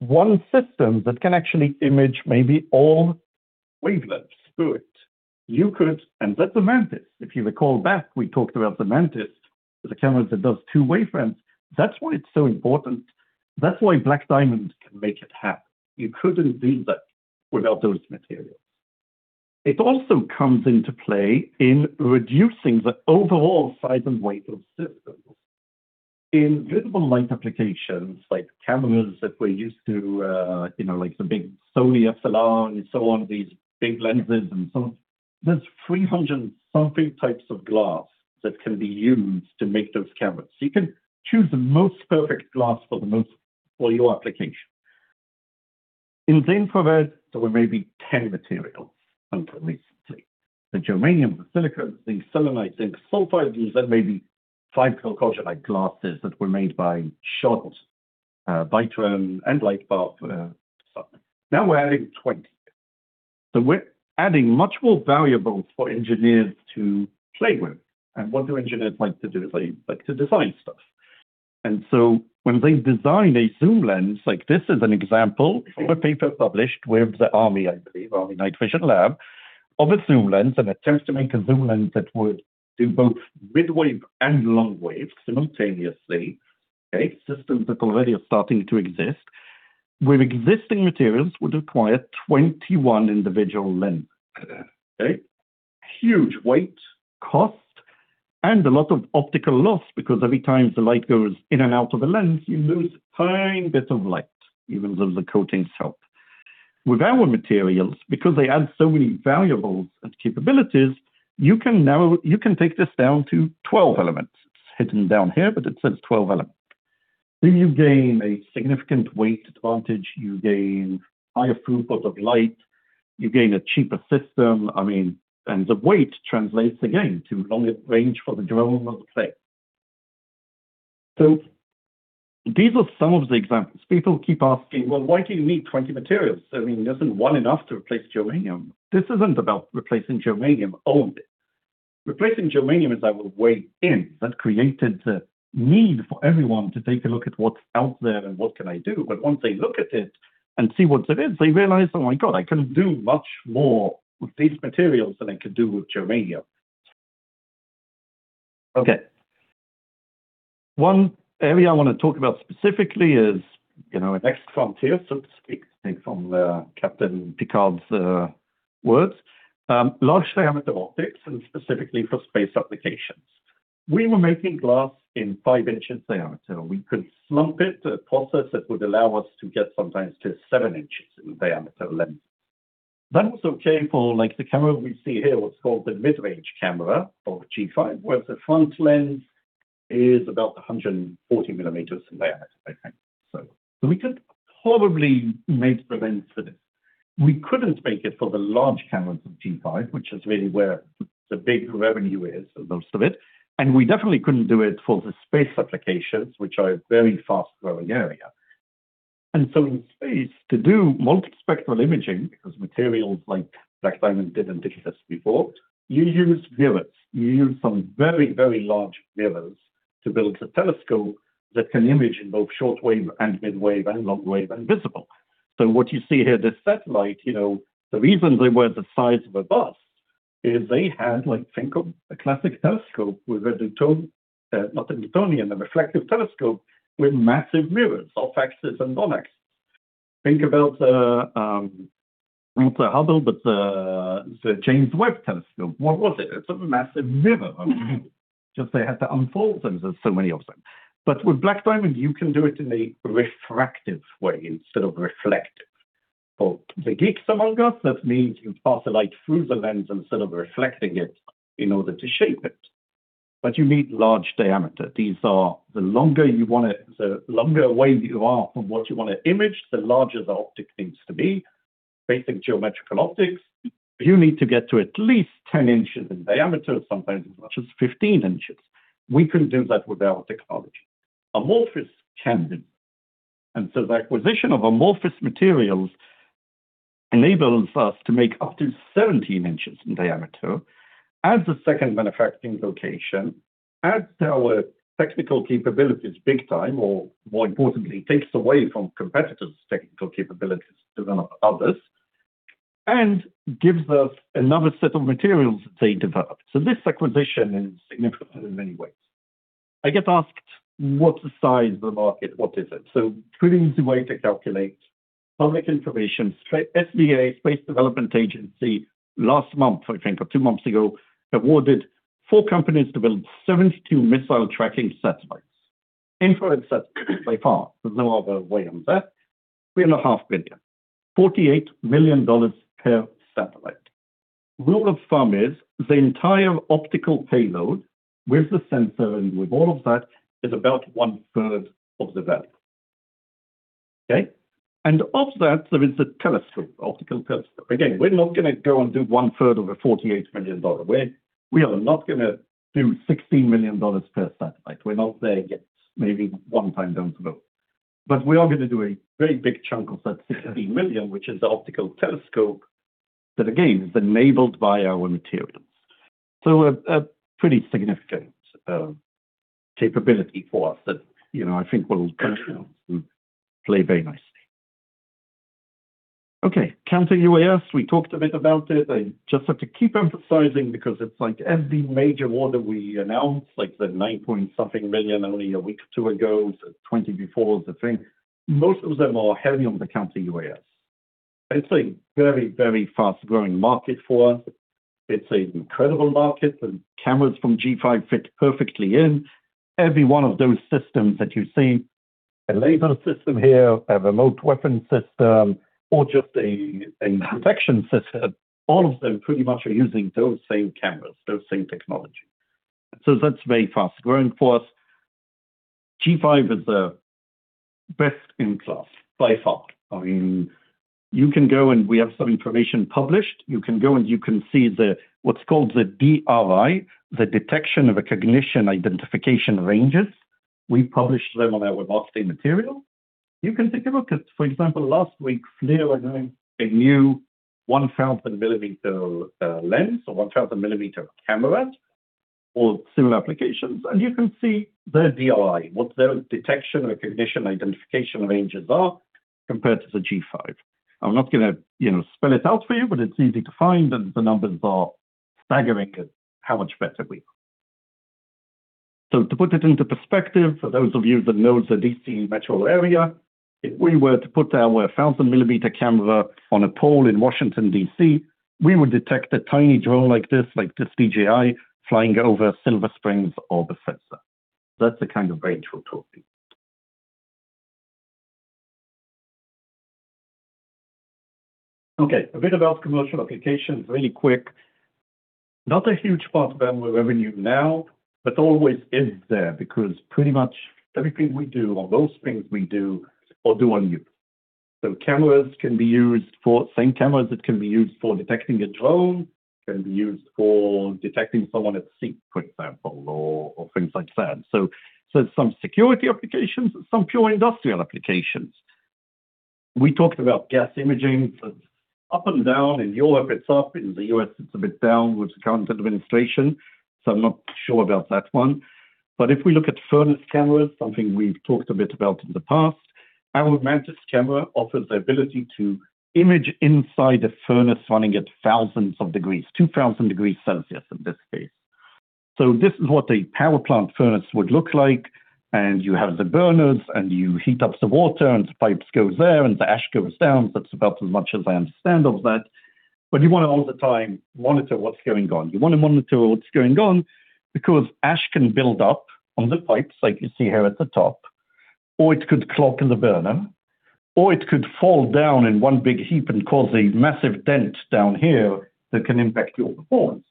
[SPEAKER 1] One system that can actually image maybe all wavelengths through it. You could, that's the Mantis. If you recall back, we talked about the Mantis, the camera that does two waveframes. That's why it's so important. That's why BlackDiamond can make it happen. You couldn't do that without those materials. It also comes into play in reducing the overall size and weight of systems. In visible light applications, like cameras that we're used to, you know, like the big Sony E-mount and so on, these big lenses and so on, there's 300 and something types of glass that can be used to make those cameras. You can choose the most perfect glass for the most, for your application. In the infrared, there were maybe 10 materials until recently. The Germanium, the Silicon, the selenide, the sulfide, and then maybe five chalcogenide glasses that were made by Schott, Vitron, and LightPath. Now we're adding 20. We're adding much more variables for engineers to play with. What do engineers like to do? They like to design stuff. When they design a zoom lens, like this is an example of a paper published with the Army, I believe, Army Night Vision Lab, of a zoom lens, an attempt to make a zoom lens that would do both midwave and long wave simultaneously, okay. Systems that already are starting to exist, with existing materials, would require 21 individual lens, okay. Huge weight, cost, and a lot of optical loss, because every time the light goes in and out of the lens, you lose a fine bit of light, even though the coatings help. With our materials, because they add so many variables and capabilities, you can take this down to 12 elements. It's hidden down here, but it says 12 elements. You gain a significant weight advantage, you gain higher throughput of light, you gain a cheaper system, I mean, and the weight translates again to longer range for the drone of the plane. These are some of the examples. People keep asking, "Well, why do you need 20 materials? I mean, isn't one enough to replace germanium?" This isn't about replacing germanium only. Replacing germanium is a way in that created the need for everyone to take a look at what's out there and what can I do. Once they look at it and see what it is, they realize, oh, my God, I can do much more with these materials than I could do with germanium. Okay. One area I want to talk about specifically is, you know, a next frontier, so to speak, I think from Captain Picard's words, large diameter optics and specifically for space applications. We were making glass in 5 inches diameter. We could slump it, a process that would allow us to get sometimes to 7 inches in diameter length. That was okay for like the camera we see here, what's called the mid-range camera or G5, where the front lens is about 140 millimeters in diameter, I think. We could probably make the lens for this. We couldn't make it for the large cameras of G5, which is really where the big revenue is, or most of it, and we definitely couldn't do it for the space applications, which are a very fast-growing area. In space, to do multispectral imaging, because materials like Black Diamond did this before, you use mirrors. You use some very, very large mirrors to build a telescope that can image in both shortwave, and midwave, and long wave, and visible. What you see here, this satellite, you know, the reason they were the size of a bus is they had, like, think of a classic telescope with a Newton, not Newtonian, a reflective telescope with massive mirrors, off-axis and on-axis. Think about the, what's the Hubble, but the James Webb Telescope. What was it? It's a massive mirror. Just they had to unfold them, there's so many of them. With Black Diamond, you can do it in a refractive way instead of reflect. For the geeks among us, that means you pass the light through the lens instead of reflecting it in order to shape it, but you need large diameter. These are the longer away you are from what you want to image, the larger the optic needs to be. Basic geometrical optics. You need to get to at least 10 inches in diameter, sometimes as much as 15 inches. We couldn't do that with our technology. Amorphous can do. The acquisition of Amorphous Materials enables us to make up to 17 inches in diameter, adds a second manufacturing location, adds to our technical capabilities big time, or more importantly, takes away from competitors' technical capabilities to develop others, and gives us another set of materials that they developed. This acquisition is significant in many ways. I get asked, "What's the size of the market? What is it?" Pretty easy way to calculate. Public information, SDA, Space Development Agency, last month, I think, or two months ago, awarded four companies to build 72 missile tracking satellites. Infrared satellites, by far, there's no other way on that. Three and a half billion. $48 million per satellite. Rule of thumb is, the entire optical payload with the sensor and with all of that, is about one third of the value. Okay? Of that, there is a telescope, optical telescope. Again, we're not gonna go and do one third of a $48 million. We are not gonna do $16 million per satellite. We're not there yet, maybe one time down the road. We are gonna do a very big chunk of that $16 million, which is the optical telescope, that again, is enabled by our materials. A pretty significant capability for us that, you know, I think will play very nicely. Counter-UAS, we talked a bit about it. I just have to keep emphasizing because it's like every major order we announce, like the $9-point-something million, only a week or 2 ago, the $20 before the thing, most of them are heavy on the counter-UAS. It's a very, very fast-growing market for us. It's an incredible market, and cameras from G5 fit perfectly in. Every one of those systems that you see, a laser system here, a remote weapon system, or just a detection system, all of them pretty much are using those same cameras, those same technology. That's very fast-growing for us. G5 is the best in class by far. I mean, you can go and we have some information published. You can go and you can see the, what's called the DRI, the detection, recognition, identification ranges. We published them on our website material. You can take a look at, for example, last week, FLIR announced a new 1,000 millimeter lens or 1,000 millimeter camera for similar applications, and you can see their DRI, what their detection, recognition, identification ranges are compared to the G5. I'm not gonna, you know, spell it out for you, but it's easy to find, and the numbers are staggering at how much better we are. To put it into perspective, for those of you that know the D.C. metro area, if we were to put our 1,000 millimeter camera on a pole in Washington, D.C., we would detect a tiny drone like this, like this DJI, flying over Silver Springs or Bethesda. That's the kind of range we're talking. A bit about commercial applications, really quick. Not a huge part of our revenue now, but always is there, because pretty much everything we do or most things we do or do on you. Cameras can be used for same cameras that can be used for detecting a drone, can be used for detecting someone at sea, for example, or things like that. Some security applications, some pure industrial applications. We talked about gas imaging. Up and down, in Europe, it's up. In the U.S., it's a bit down with the current administration, I'm not sure about that one. If we look at furnace cameras, something we've talked a bit about in the past, our Mantis camera offers the ability to image inside a furnace running at thousands of degrees, 2,000 degrees Celsius in this case. This is what a power plant furnace would look like, and you have the burners, and you heat up the water, and the pipes goes there, and the ash goes down. That's about as much as I understand of that. You want to all the time monitor what's going on. Ash can build up on the pipes like you see here at the top, or it could clog in the burner, or it could fall down in one big heap and cause a massive dent down here that can impact your performance.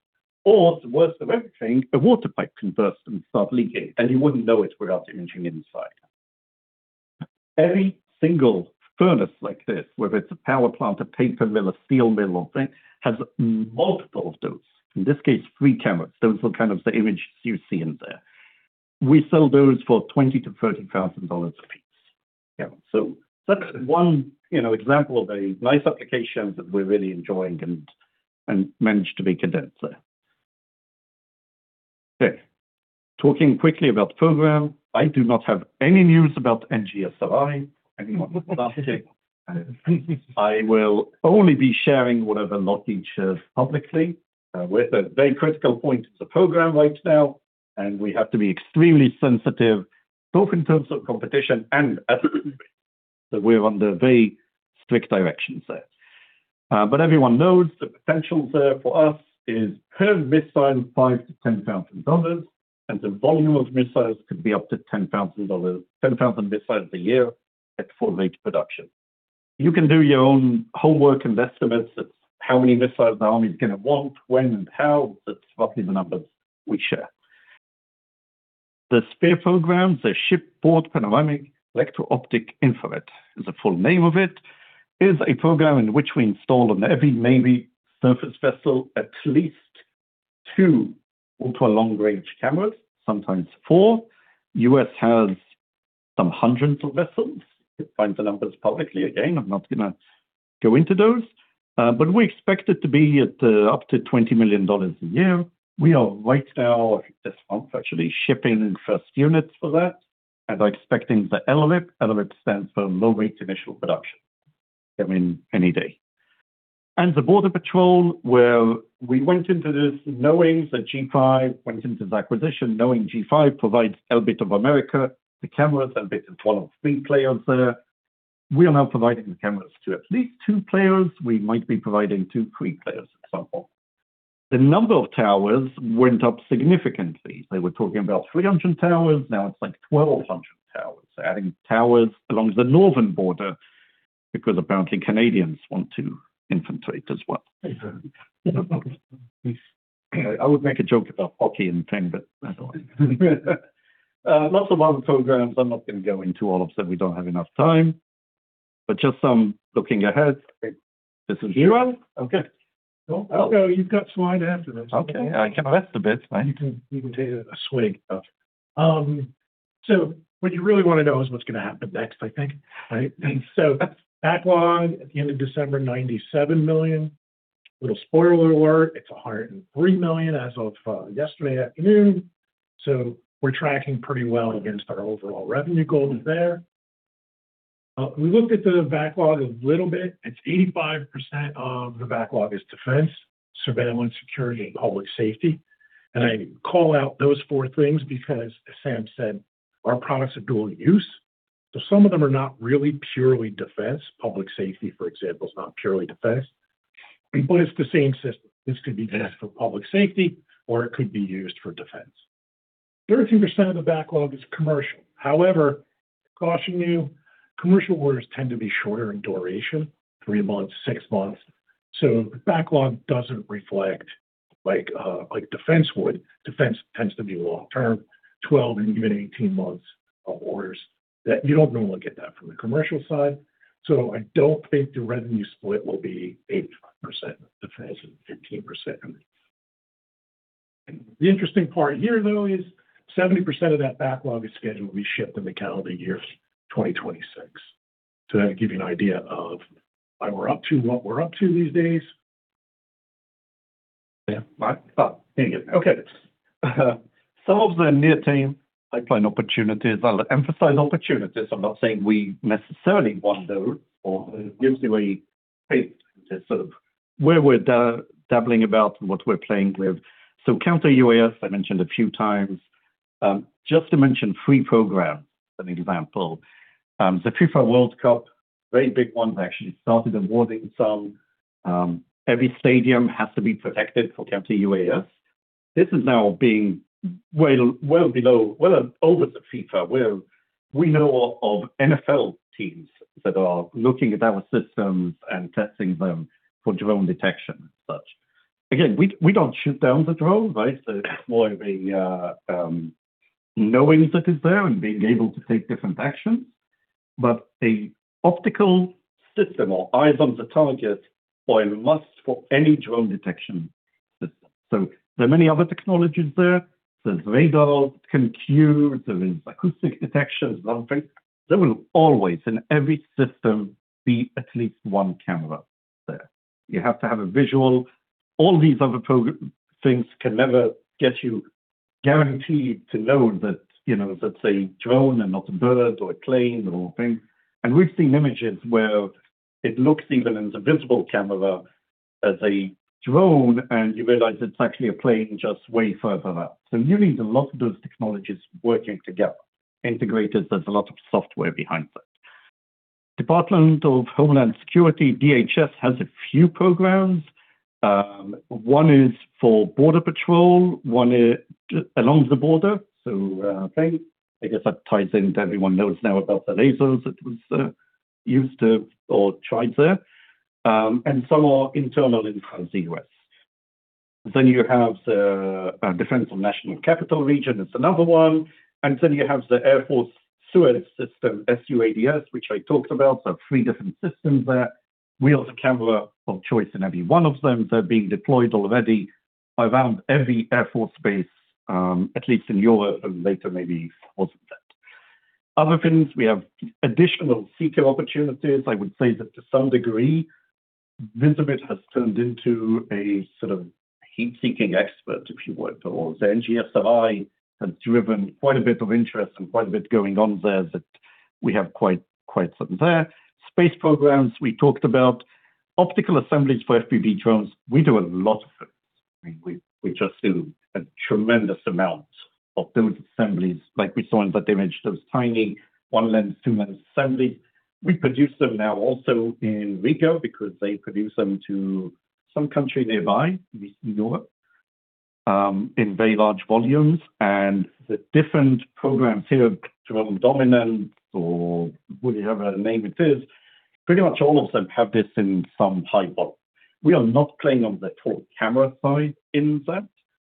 [SPEAKER 1] The worst of everything, a water pipe can burst and start leaking, and you wouldn't know it without the engine inside. Every single furnace like this, whether it's a power plant, a paper mill, a steel mill, or thing, has multiple of those. In this case, three cameras. Those are kind of the images you see in there. We sell those for $20,000-$30,000 a piece. Yeah, that's one, you know, example of a nice application that we're really enjoying and managed to be condenser. Okay, talking quickly about the program. I do not have any news about NGSRI. Anyone was asking. I will only be sharing whatever Lockheed shares publicly. We're at a very critical point of the program right now. We have to be extremely sensitive, both in terms of competition and ethics. We're under very strict directions there. Everyone knows the potential there for us is per missile, $5,000-$10,000, and the volume of missiles could be up to 10,000 missiles a year at full rate production. You can do your own homework and estimates at how many missiles the Army is gonna want, when, and how. That's roughly the numbers we share. The SPEAR program, the Shipboard Panoramic Electro-Optic Infrared, is the full name of it, is a program in which we install on every Navy surface vessel, at least two ultra-long-range cameras, sometimes four. U.S. has some hundreds of vessels. You find the numbers publicly. I'm not gonna go into those, but we expect it to be up to $20 million a year. We are right now, this month, actually, shipping first units for that. I'm expecting the LRIP. LRIP stands for Low Rate Initial Production, coming any day. The border patrol, well, we went into this knowing that G5 went into this acquisition, knowing G5 provides Elbit of America, the cameras. Elbit is one of three players there. We are now providing the cameras to at least two players. We might be providing to three players, for example. The number of towers went up significantly. They were talking about 300 towers, now it's like 1,200 towers, adding towers along the northern border because apparently Canadians want to infiltrate as well. I would make a joke about hockey and thing, but I don't want to. Lots of other programs. I'm not going to go into all of them. We don't have enough time, but just some looking ahead. This is you? Okay.
[SPEAKER 2] No, you've got slide after this.
[SPEAKER 1] Okay, I can rest a bit.
[SPEAKER 2] You can take a swig. What you really want to know is what's gonna happen next, I think, right? Backlog at the end of December, $97 million. Little spoiler alert, it's $103 million as of yesterday afternoon, so we're tracking pretty well against our overall revenue goals there. We looked at the backlog a little bit. It's 85% of the backlog is defense, surveillance, security, and public safety. I call out those four things because, as Sam said, our products are dual use, so some of them are not really purely defense. Public safety, for example, is not purely defense, but it's the same system. This could be used for public safety, or it could be used for defense. 30% of the backlog is commercial. Caution you, commercial orders tend to be shorter in duration, three months, six months. The backlog doesn't reflect like defense would. Defense tends to be long term, 12 and even 18 months of orders that you don't normally get that from the commercial side. I don't think the revenue split will be 85% defense and 15% commercial. The interesting part here, though, is 70% of that backlog is scheduled to be shipped in the calendar year 2026. That'll give you an idea of why we're up to what we're up to these days.
[SPEAKER 1] Anyway. Okay. Some of the near-term pipeline opportunities, I'll emphasize opportunities. I'm not saying we necessarily want those, or it gives you a sort of where we're dabbling about and what we're playing with. Counter-UAS, I mentioned a few times. Just to mention three programs, an example, the FIFA World Cup, very big one, actually started awarding some. Every stadium has to be protected for counter-UAS. This is now being well over the FIFA, where we know of NFL teams that are looking at our systems and testing them for drone detection and such. Again, we don't shoot down the drone, right? It's more of a knowing that it's there and being able to take different actions. A optical system or eyes on the target are a must for any drone detection system. There are many other technologies there. There's radar, computer, there is acoustic detection, as well. There will always, in every system, be at least one camera there. You have to have a visual. All these other things can never get you guaranteed to know that, you know, that's a drone and not a bird or a plane or a thing. We've seen images where it looks even in the visible camera as a drone, and you realize it's actually a plane just way further out. You need a lot of those technologies working together, integrated. There's a lot of software behind that. Department of Homeland Security, DHS, has a few programs. One is for border patrol, one is along the border. I guess that ties in to everyone knows now about the lasers that was used to or tried there, and some are internal inside the U.S. You have the Defense of National Capital Region, it's another one, and you have the Air Force SUADS System, SUADS, which I talked about. Three different systems there. We are the camera of choice in every one of them. They're being deployed already around every Air Force base, at least in Europe, and later, maybe most of that. Other things, we have additional seeker opportunities. I would say that to some degree, VisiBeAT has turned into a sort of heat-seeking expert, if you would, or the NGSRI has driven quite a bit of interest and quite a bit going on there that we have quite something there. Space programs, we talked about. Optical assemblies for FPV drones, we do a lot of it. I mean, we just do a tremendous amount of those assemblies, like we saw in the image, those tiny one lens, two lens assembly. We produce them now also in Riga, because they produce them to some country nearby, we know it, in very large volumes. The different programs here, Drone Dominant or whatever name it is, pretty much all of them have this in some type of. We are not playing on the full camera side in that.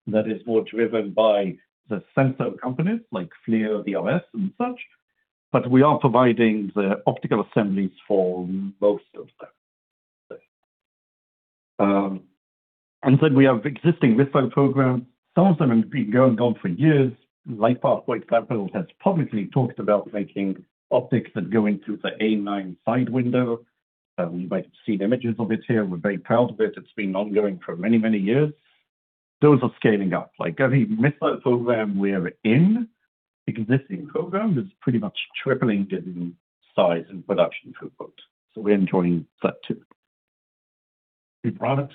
[SPEAKER 1] That is more driven by the sensor companies like FLIR, EOS, and such, but we are providing the optical assemblies for most of them. Then we have existing missile programs. Some of them have been going on for years. Like White Thunderbolt has publicly talked about making optics that go into the A9 side window. You might have seen images of it here. We're very proud of it. It's been ongoing for many, many years. Those are scaling up. Every missile program we're in, existing program, is pretty much tripling in size and production throughput. We're enjoying that too. New products?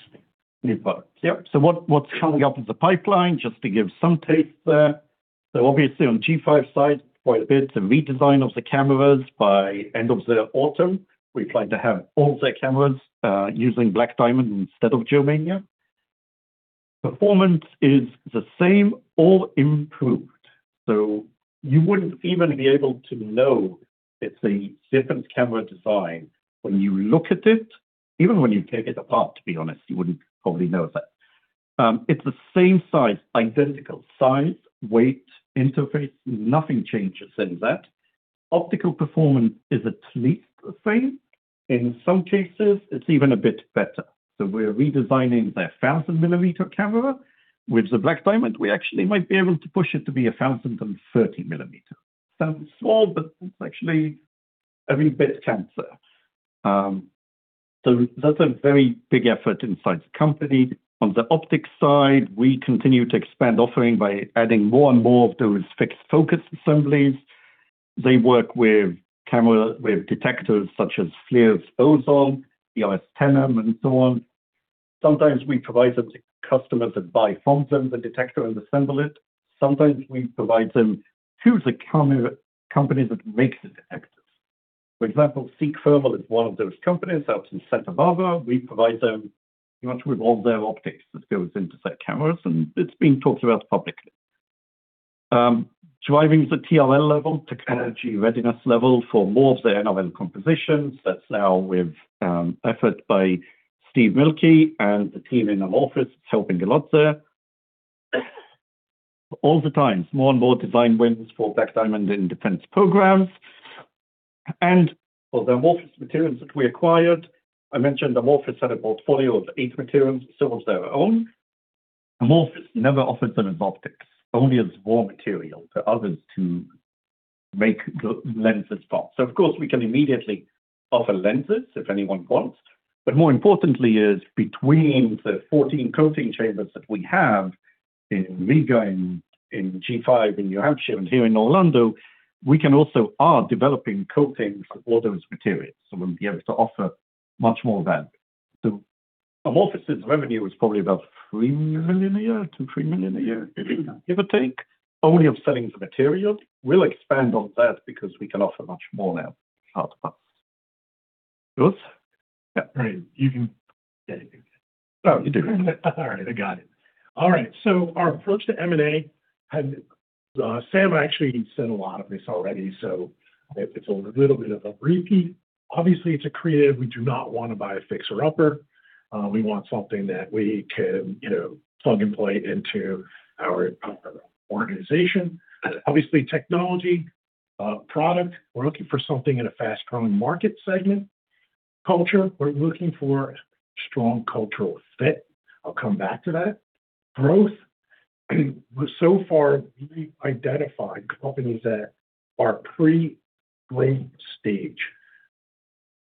[SPEAKER 1] New products. Yep. What's coming up in the pipeline? Just to give some taste there. Obviously, on G5 side, quite a bit, the redesign of the cameras by end of the autumn. We plan to have all the cameras using Black Diamond instead of germanium. Performance is the same or improved, you wouldn't even be able to know it's a different camera design when you look at it. Even when you take it apart, to be honest, you wouldn't probably know that. It's the same size, identical size, weight, interface, nothing changes in that. Optical performance is at least the same. In some cases, it's even a bit better. We're redesigning the 1,000-millimeter camera. With the BlackDiamond, we actually might be able to push it to be a 1,030 millimeter. Sounds small, but it's actually every bit counts there. That's a very big effort inside the company. On the optics side, we continue to expand offering by adding more and more of those fixed focus assemblies. They work with detectors such as Teledyne FLIR's Ozone, EOS Tenem, and so on. Sometimes we provide them to customers that buy from them, the detector, and assemble it. Sometimes we provide them to the camera, company that makes the detectors. For example, Seek Thermal is one of those companies out in Santa Barbara. We provide them pretty much with all their optics that goes into their cameras, and it's being talked about publicly. Driving the TRL level, technology readiness level, for more of the NOM compositions. That's now with effort by Steve Mielke and the team in Amorphous. It's helping a lot there. All the time, more and more design wins for BlackDiamond in defense programs. For the Amorphous materials that we acquired, I mentioned Amorphous had a portfolio of eight materials, some of their own. Amorphous never offered them as optics, only as raw material for others to make the lenses parts. Of course, we can immediately offer lenses if anyone wants, but more importantly, is between the 14 coating chambers that we have in Riga, in G5, in New Hampshire, and here in Orlando, we can also are developing coatings for all those materials. We'll be able to offer much more of that. Amorphous' revenue was probably about $3 million a year, $2 million-$3 million a year, give or take, only of selling the material. We'll expand on that because we can offer much more now. Good?
[SPEAKER 2] Yeah. Great, you can. Oh, you do? All right, I got it. All right, our approach to M&A, and Sam actually said a lot of this already, so it's a little bit of a repeat. Obviously, it's accretive. We do not want to buy a fixer-upper. We want something that we can, you know, plug and play into our organization. Obviously, technology, product. We're looking for something in a fast-growing market segment. Culture, we're looking for strong cultural fit. I'll come back to that. Growth. So far, we've identified companies that are pre-late stage.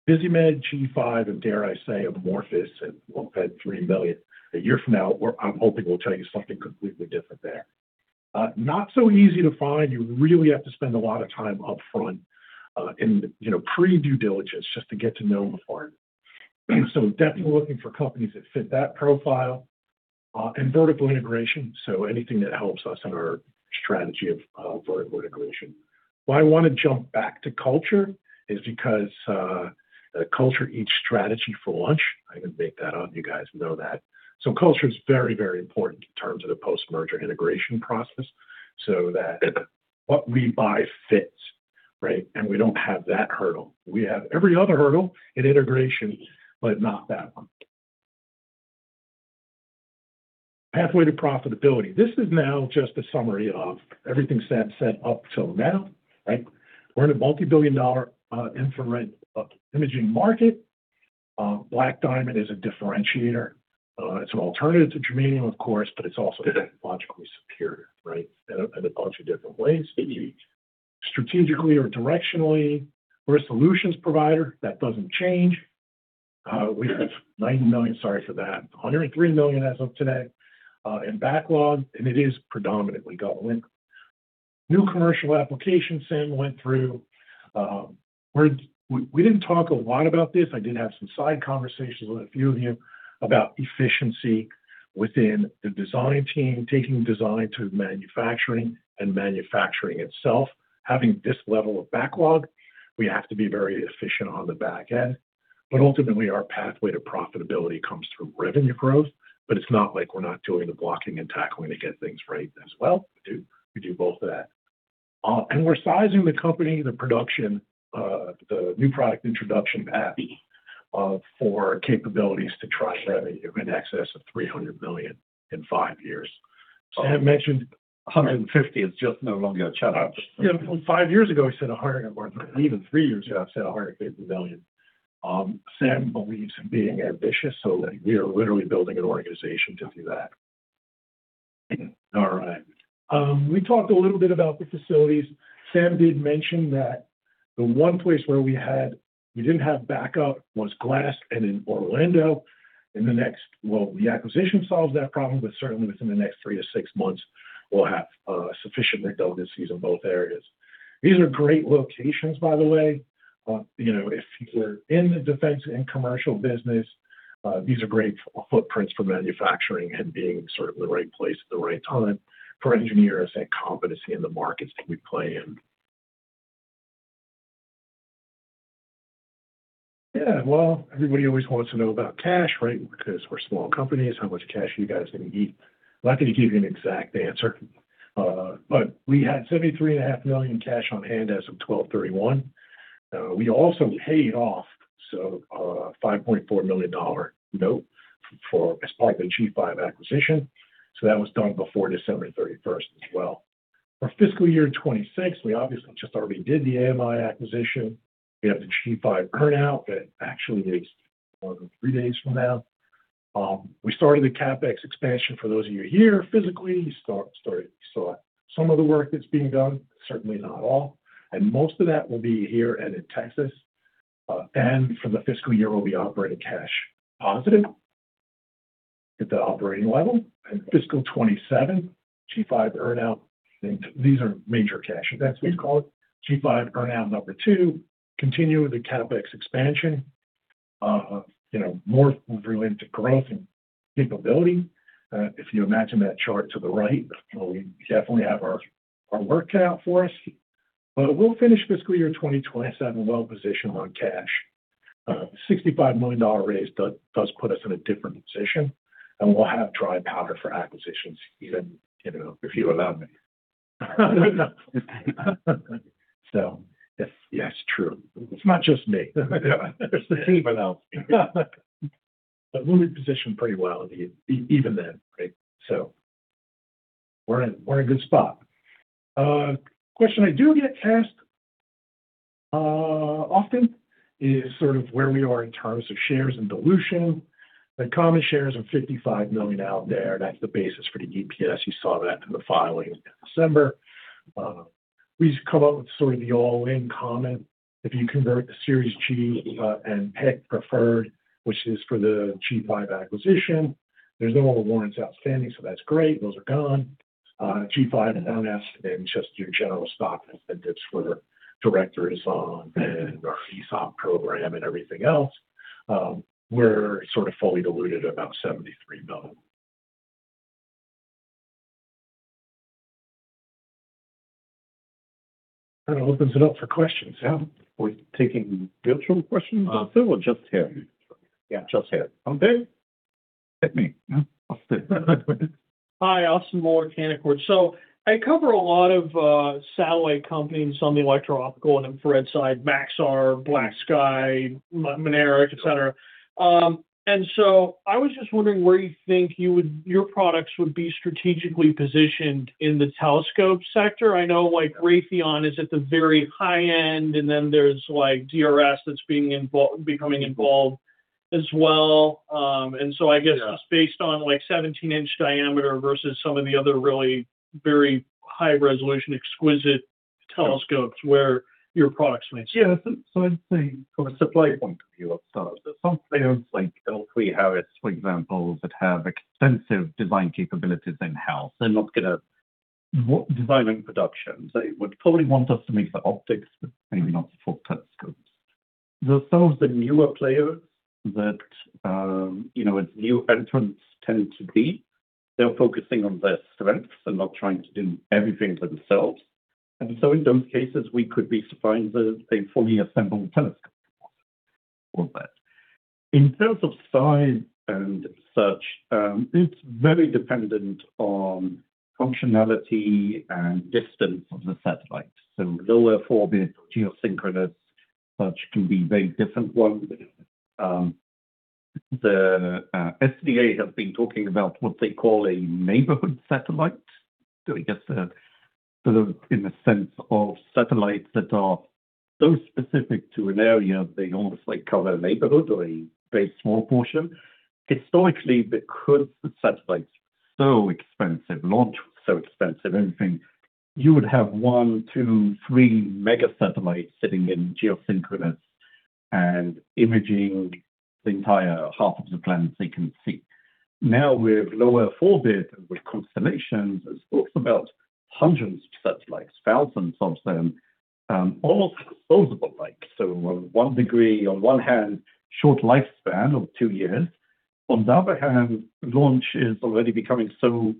[SPEAKER 2] Visimid, G5, and dare I say, Amorphous, and we've had $3 million. A year from now, I'm hoping we'll tell you something completely different there. Not so easy to find. You really have to spend a lot of time upfront, in, you know, pre-due diligence, just to get to know them before. Definitely looking for companies that fit that profile, and vertical integration. Anything that helps us in our strategy of, vertical integration. Why I wanna jump back to culture is because, culture eats strategy for lunch. I can make that up, you guys know that. Culture is very, very important in terms of the post-merger integration process, so that what we buy fits, right? We don't have that hurdle. We have every other hurdle in integration, but not that one. Pathway to profitability. This is now just a summary of everything Sam said up till now, right? We're in a multi-billion dollar, infrared, imaging market. BlackDiamond is a differentiator. It's an alternative to germanium, of course, it's also technologically superior, right? In a bunch of different ways. Strategically or directionally, we're a solutions provider, that doesn't change. We have $90 million... Sorry for that. $103 million as of today in backlog, it is predominantly government. New commercial applications Sam went through. We didn't talk a lot about this. I did have some side conversations with a few of you about efficiency within the design team, taking design to manufacturing and manufacturing itself. Having this level of backlog, we have to be very efficient on the back end, but ultimately our pathway to profitability comes from revenue growth, but it's not like we're not doing the blocking and tackling to get things right as well. We do both of that. We're sizing the company, the production, the New Product Introduction, NPI, for capabilities to try in excess of $300 million in five years.
[SPEAKER 3] Sam mentioned 150 is just no longer a challenge.
[SPEAKER 2] Five years ago, he said 100 and more, even three years ago, I said $150 million. Sam believes in being ambitious, so we are literally building an organization to do that. All right. We talked a little bit about the facilities. Sam did mention that the one place where we didn't have backup was Glasson in Orlando. Well, the acquisition solves that problem, but certainly within the next three to six months, we'll have sufficient redundancies in both areas. These are great locations, by the way. You know, if you're in the defense and commercial business, these are great footprints for manufacturing and being sort of the right place at the right time for engineers and competency in the markets that we play in. Well, everybody always wants to know about cash, right? Because we're small companies, how much cash are you guys gonna need? I'm not gonna give you an exact answer. We had $73 and a half million cash on hand as of 12/31. We also paid off a $5.4 million note as part of the G5 acquisition. That was done before December 31st as well. For fiscal year 2026, we obviously just already did the AMI acquisition. We have the G5 earn-out that actually is more than three days from now. We started the CapEx expansion for those of you here physically, started, saw some of the work that's being done, certainly not all. Most of that will be here and in Texas. For the fiscal year, we'll be operating cash positive at the operating level. Fiscal 2027, G5 earn-out. These are major cash events, we call it. G5 earn-out 2, continue with the CapEx expansion, you know, more related to growth and capability. If you imagine that chart to the right, well, we definitely have our work cut out for us, we'll finish fiscal year 2027 well-positioned on cash. $65 million raise does put us in a different position, we'll have dry powder for acquisitions, even, you know, if you allow me.
[SPEAKER 3] Yes, yeah, it's true.
[SPEAKER 2] It's not just me, there's the team announce.
[SPEAKER 3] We'll be positioned pretty well even then, right? We're in a good spot.
[SPEAKER 2] Question I do get asked often is where we are in terms of shares and dilution. The common shares are $55 million out there. That's the basis for the EPS. You saw that in the filing in December. we just come up with the all-in comment. If you convert the Series G, and pick preferred, which is for the G5 acquisition, there's no other warrants outstanding, so that's great, those are gone. G5 and NS, and just your general stock incentives for directors on, and our ESOP program and everything else, we're fully diluted, about $73 million.
[SPEAKER 3] That opens it up for questions. We're taking virtual questions also or just here?
[SPEAKER 2] Yeah, just here.
[SPEAKER 3] Okay.
[SPEAKER 2] Hit me.
[SPEAKER 4] Hi, Austin Moore, Canaccord. I cover a lot of satellite companies on the electro-optical and infrared side, Maxar, BlackSky, Mynaric, et cetera. I was just wondering where you think your products would be strategically positioned in the telescope sector. I know, like, Raytheon is at the very high end, and then there's, like, DRS that's becoming involved as well. I guess just based on, like, 17-inch diameter versus some of the other really very high-resolution, exquisite telescopes, where your products.
[SPEAKER 1] Yeah, I'd say from a supply point of view of stars, there's some players like L3Harris, for example, that have extensive design capabilities in-house. They're not. What design and production? They would probably want us to make the optics, but maybe not the full telescopes. There are some of the newer players that, you know, as new entrants tend to be, they're focusing on their strengths and not trying to do everything themselves. In those cases, we could be supplying the, a fully assembled telescope for that. In terms of size and such, it's very dependent on functionality and distance of the satellite. Lower orbit or geosynchronous, such can be very different ones. The SDA have been talking about what they call a neighborhood satellite. I guess the, sort of in the sense of satellites that are so specific to an area, they almost like cover a neighborhood or a very small portion. Historically, because the satellites were so expensive, launch was so expensive, everything, you would have 1, 2, 3 mega satellites sitting in geosynchronous, imaging the entire half of the planet they can see. With lower orbit, with constellations, there's talks about hundreds of satellites, thousands of them, almost disposable like. One degree, on one hand, short lifespan of 2 years. On the other hand, launch is already becoming so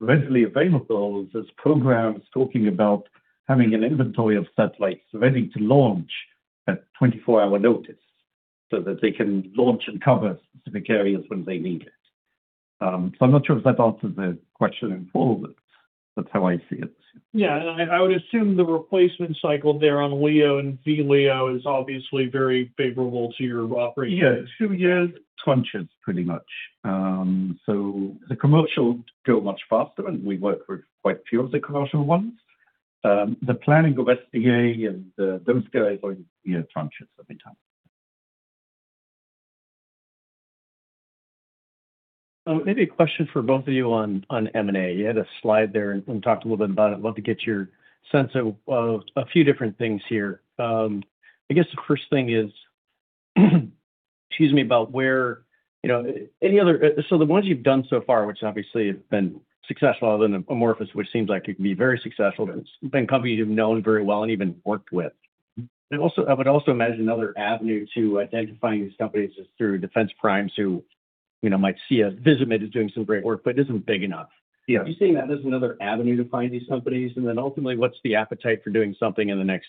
[SPEAKER 1] readily available. There's programs talking about having an inventory of satellites ready to launch at 24-hour notice, so that they can launch and cover specific areas when they need it. I'm not sure if that answers the question in full, but that's how I see it.
[SPEAKER 4] Yeah. I would assume the replacement cycle there on LEO and VLEO is obviously very favorable to your operation.
[SPEAKER 1] Yeah, 2 years, crunches, pretty much. The commercial go much faster, and we work with quite a few of the commercial ones. The planning of SDA and those guys are, you know, crunches every time.
[SPEAKER 4] Maybe a question for both of you on M&A. You had a slide there and talked a little bit about it. I guess the first thing is, excuse me, about where, you know, So the ones you've done so far, which obviously have been successful, other than Amorphous, which seems like it can be very successful, but it's been companies you've known very well and even worked with. I would also imagine another avenue to identifying these companies is through defense primes, who, you know, might see a Visimid is doing some great work, but isn't big enough.
[SPEAKER 1] Yeah.
[SPEAKER 4] Do you see that as another avenue to find these companies? Ultimately, what's the appetite for doing something in the next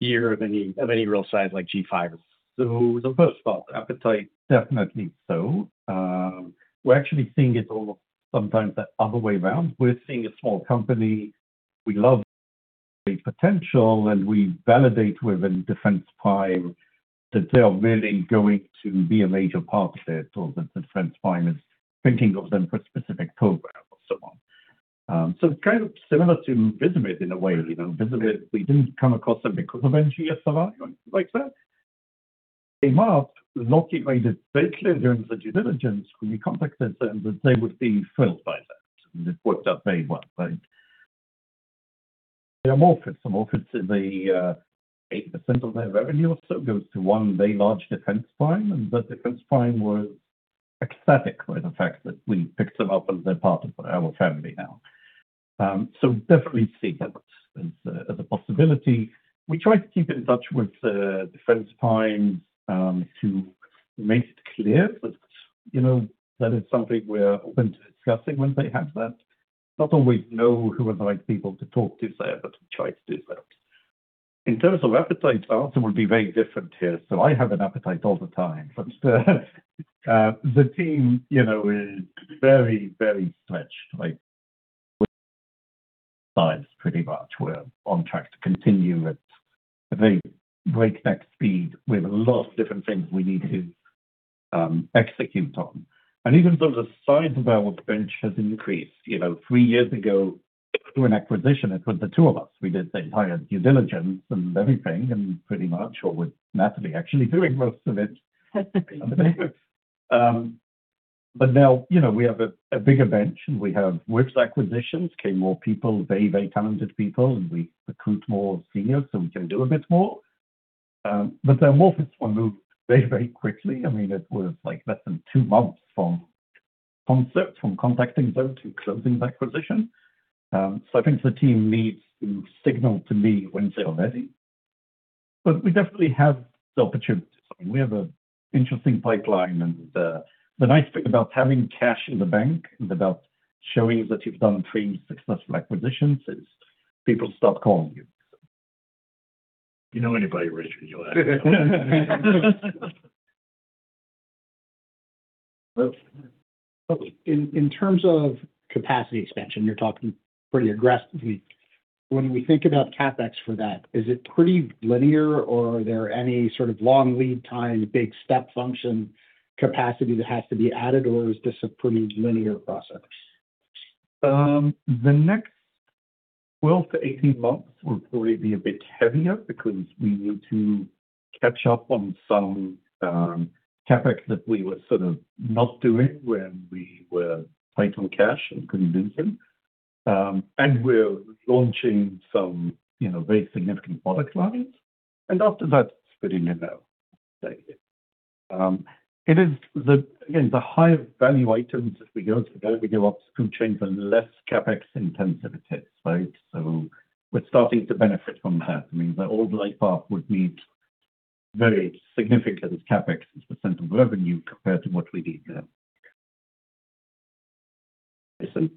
[SPEAKER 4] year of any, of any real size, like G5?
[SPEAKER 1] The first part, appetite, definitely so. We're actually seeing it all sometimes the other way around. We're seeing a small company, we love the potential, and we validate with a defense prime that they are really going to be a major part of it, or the defense prime is thinking of them for a specific program or so on. Kind of similar to Visimid, in a way, you know, Visimid, we didn't come across them because of NGSRI like that. In Amorph, Lockheed made it very clear during the due diligence when we contacted them, that they would be thrilled by that, and it worked out very well, right? The Amorph is the 8% of their revenue or so goes to one very large defense prime, the defense prime was ecstatic by the fact that we picked them up as their partner for our family now. Definitely see that as a possibility. We try to keep in touch with the defense prime, to make it clear that, you know, that it's something we're open to discussing when they have that. Not always know who are the right people to talk to there, we try to do that. In terms of appetite, the answer would be very different here. I have an appetite all the time, the team, you know, is very, very stretched, like, size, pretty much. We're on track to continue at a very breakneck speed. We have a lot of different things we need to execute on. Even though the size of our bench has increased, you know, three years ago, through an acquisition, it was the two of us. We did the entire due diligence and everything, and pretty much, or with Natalie actually doing most of it. Now, you know, we have a bigger bench, and we have width acquisitions, came more people, very, very talented people, and we recruit more seniors, so we can do a bit more. The Amorph one moved very, very quickly. I mean, it was like less than two months from concept, from contacting them to closing the acquisition. I think the team needs to signal to me when they are ready, but we definitely have the opportunity to sign. We have an interesting pipeline, and the nice thing about having cash in the bank and about showing that you've done three successful acquisitions, is people start calling you. You know anybody rich in L.A.?
[SPEAKER 4] In terms of capacity expansion, you're talking pretty aggressively. When we think about CapEx for that, is it pretty linear, or are there any sort of long lead time, big step function, capacity that has to be added, or is this a pretty linear process?
[SPEAKER 1] The next 12 months-18 months will probably be a bit heavier because we need to catch up on some CapEx that we were sort of not doing when we were tight on cash and couldn't do them. We're launching some, you know, very significant product lines, and after that, it's pretty linear. Thank you. It is the, again, the higher value items as we go, the better we go up the food chain, the less CapEx intensity it is, right? We're starting to benefit from that. I mean, the old LightPath would need very significant CapEx as a % of revenue compared to what we need now. Jason?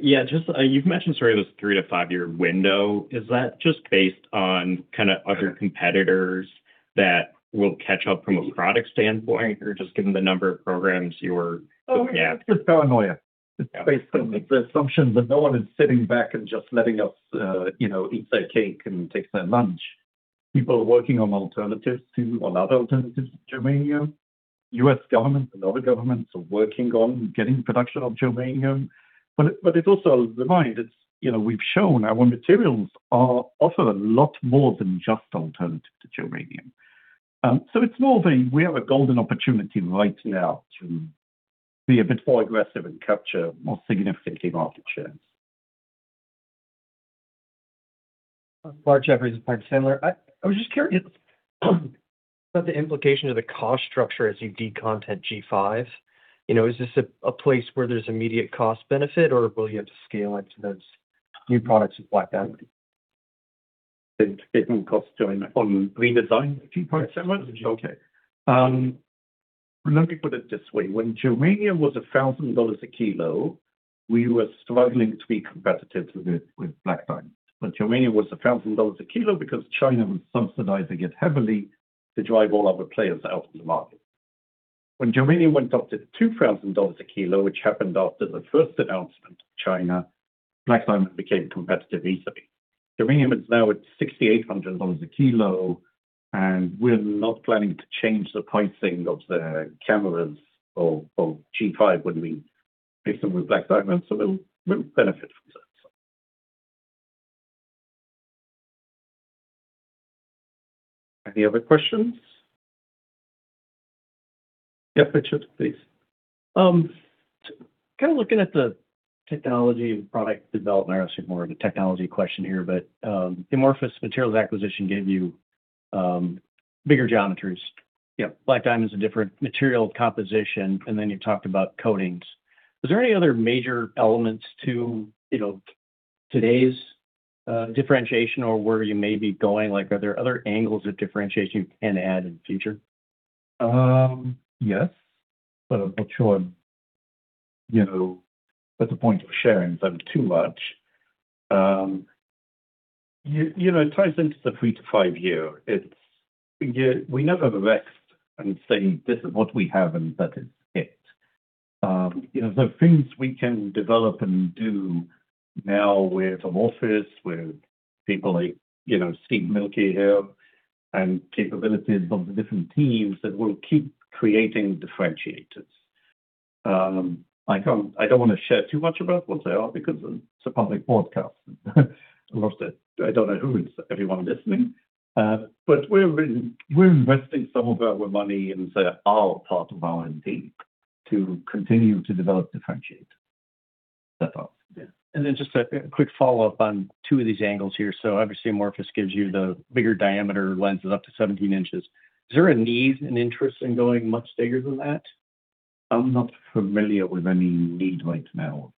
[SPEAKER 5] Yeah, just, you've mentioned sort of this 3-5-year window. Is that just based on kind of other competitors that will catch up from a product standpoint, or just given the number of programs?
[SPEAKER 1] Oh, yeah, it's just paranoia.
[SPEAKER 5] Yeah.
[SPEAKER 1] It's based on the assumption that no one is sitting back and just letting us, you know, eat their cake and take their lunch. People are working on other alternatives to germanium. U.S. government and other governments are working on getting production of germanium. It also reminds, it's, you know, we've shown our materials are also a lot more than just alternative to germanium. It's more the, we have a golden opportunity right now to be a bit more aggressive and capture more significant market shares.
[SPEAKER 6] Mark Jeffries with Piper Sandler. I was just curious about the implication of the cost structure as you decontent G5. You know, is this a place where there's immediate cost benefit, or will you have to scale it to those new products with Black Diamond?
[SPEAKER 1] It will cost to on redesign G5, okay. Let me put it this way. When germanium was $1,000 a kilo, we were struggling to be competitive with it, with Black Diamond. When germanium was $1,000 a kilo because China was subsidizing it heavily to drive all other players out of the market. When germanium went up to $2,000 a kilo, which happened after the first announcement of China, Black Diamond became competitive easily. Germanium is now at $6,800 a kilo, and we're not planning to change the pricing of the cameras or G5 when we make them with Black Diamond, so we'll benefit from that. Any other questions? Yeah, Richard, please.
[SPEAKER 6] kind of looking at the technology and product development, I guess more of a technology question here. The Amorphous Materials acquisition gave you bigger geometries. You know, BlackDiamond is a different material composition, and then you talked about coatings. Is there any other major elements to, you know, today's differentiation or where you may be going? Are there other angles of differentiation you can add in the future?
[SPEAKER 1] Yes, I'm not sure, you know, that's a point of sharing them too much. You know, it ties into the three to five year. We never rest and say, "This is what we have, and that is it." You know, the things we can develop and do now with Amorphous, with people like, you know, Steve Mielke here, and capabilities of the different teams that will keep creating differentiators. I don't want to share too much about what they are because it's a public broadcast. I don't know who is everyone listening. We're investing some of our money in the R part of R&D to continue to develop differentiators. That's all, yeah.
[SPEAKER 6] Just a quick follow-up on two of these angles here. Obviously, Amorphous gives you the bigger diameter lenses, up to 17 inches. Is there a need and interest in going much bigger than that?
[SPEAKER 1] I'm not familiar with any need right now.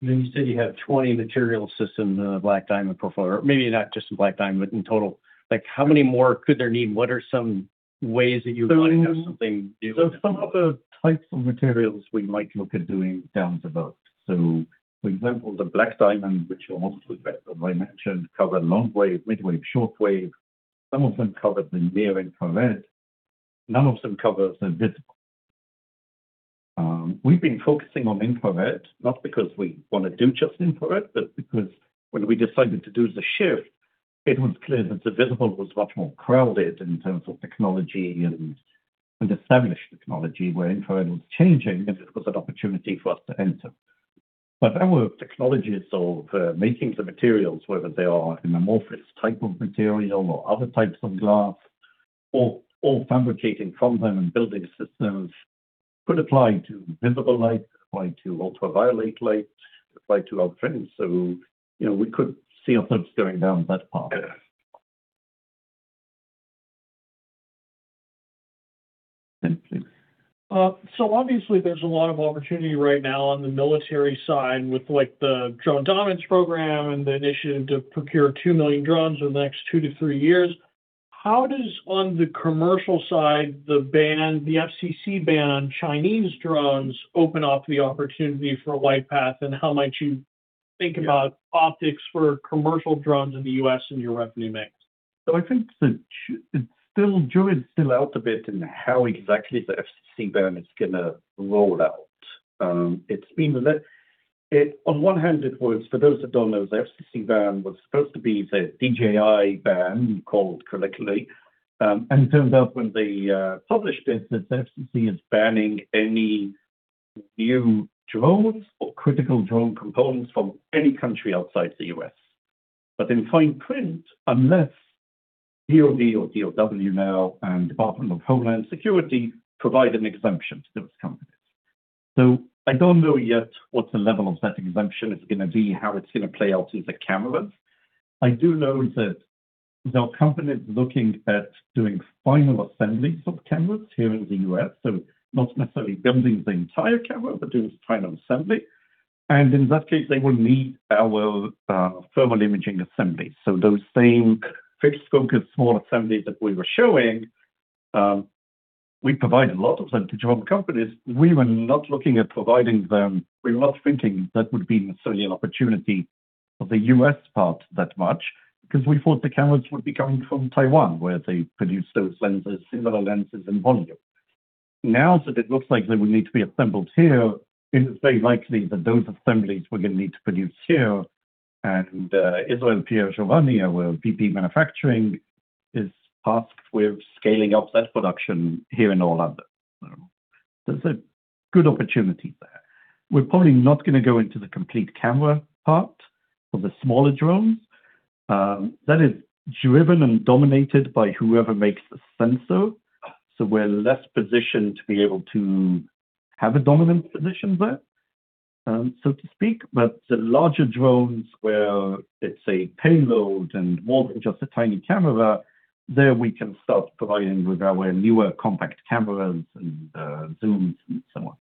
[SPEAKER 6] You said you have 20 material systems in the Black Diamond portfolio, or maybe not just in Black Diamond, but in total. Like, how many more could there need? What are some ways that you might have something new?
[SPEAKER 1] Some of the types of materials we might look at doing down the road. For example, the BlackDiamond, which I mentioned, cover long wave, midwave, short wave. Some of them cover the near infrared. None of them cover the visible. We've been focusing on infrared, not because we want to do just infrared, but because when we decided to do the shift, it was clear that the visible was much more crowded in terms of technology and established technology, where infrared was changing, and it was an opportunity for us to enter. Our technologies of making the materials, whether they are an amorphous type of material or other types of glass, or fabricating from them and building systems, could apply to visible light, apply to ultraviolet light, apply to all trends. You know, we could see ourselves going down that path. Yeah, please.
[SPEAKER 4] Obviously, there's a lot of opportunity right now on the military side with, like, the Drone Dominant program and the initiative to procure 2 million drones in the next two to three years. How does, on the commercial side, the ban, the FCC ban on Chinese drones open up the opportunity for LightPath, and how might you think about optics for commercial drones in the U.S. and your revenue mix?
[SPEAKER 1] I think the jury is still out a bit in how exactly the FCC ban is gonna roll out. It, on one hand, it was, for those that don't know, the FCC ban was supposed to be the DJI ban, called colloquially. And it turns out when they published it, the FCC is banning any new drones or critical drone components from any country outside the U.S. In fine print, unless DOD or DOW now and Department of Homeland Security provide an exemption to those companies. I don't know yet what the level of that exemption is gonna be, how it's gonna play out in the cameras. I do know that there are companies looking at doing final assembly of cameras here in the U.S. Not necessarily building the entire camera, but doing final assembly, and in that case, they will need our thermal imaging assembly. Those same fixed focus, small assemblies that we were showing, we provide a lot of them to drone companies. We were not looking at providing them. We were not thinking that would be necessarily an opportunity for the U.S. part that much, because we thought the cameras would be coming from Taiwan, where they produce those lenses, similar lenses in volume. That it looks like they will need to be assembled here, it is very likely that those assemblies we're gonna need to produce here, and Israel Piergiovanni, our VP manufacturing, is tasked with scaling up that production here in Orlando. There's a good opportunity there. We're probably not gonna go into the complete camera part for the smaller drones. That is driven and dominated by whoever makes the sensor, so we're less positioned to be able to have a dominant position there, so to speak. The larger drones, where it's a payload and more than just a tiny camera, there we can start providing with our newer compact cameras and zooms and so on.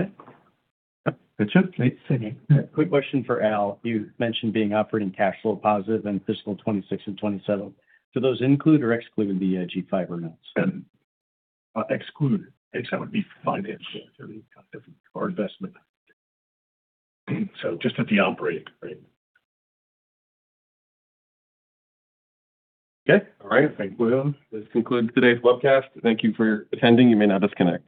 [SPEAKER 1] Okay. Richard, please say.
[SPEAKER 6] Quick question for Al. You mentioned being operating cash flow positive in fiscal 2026 and fiscal 2027. Do those include or exclude the G5 amounts?
[SPEAKER 2] Exclude. Exclude, that would be finance or investment. Just at the operating, right?
[SPEAKER 7] Okay. All right, thank you. This concludes today's webcast. Thank you for attending. You may now disconnect.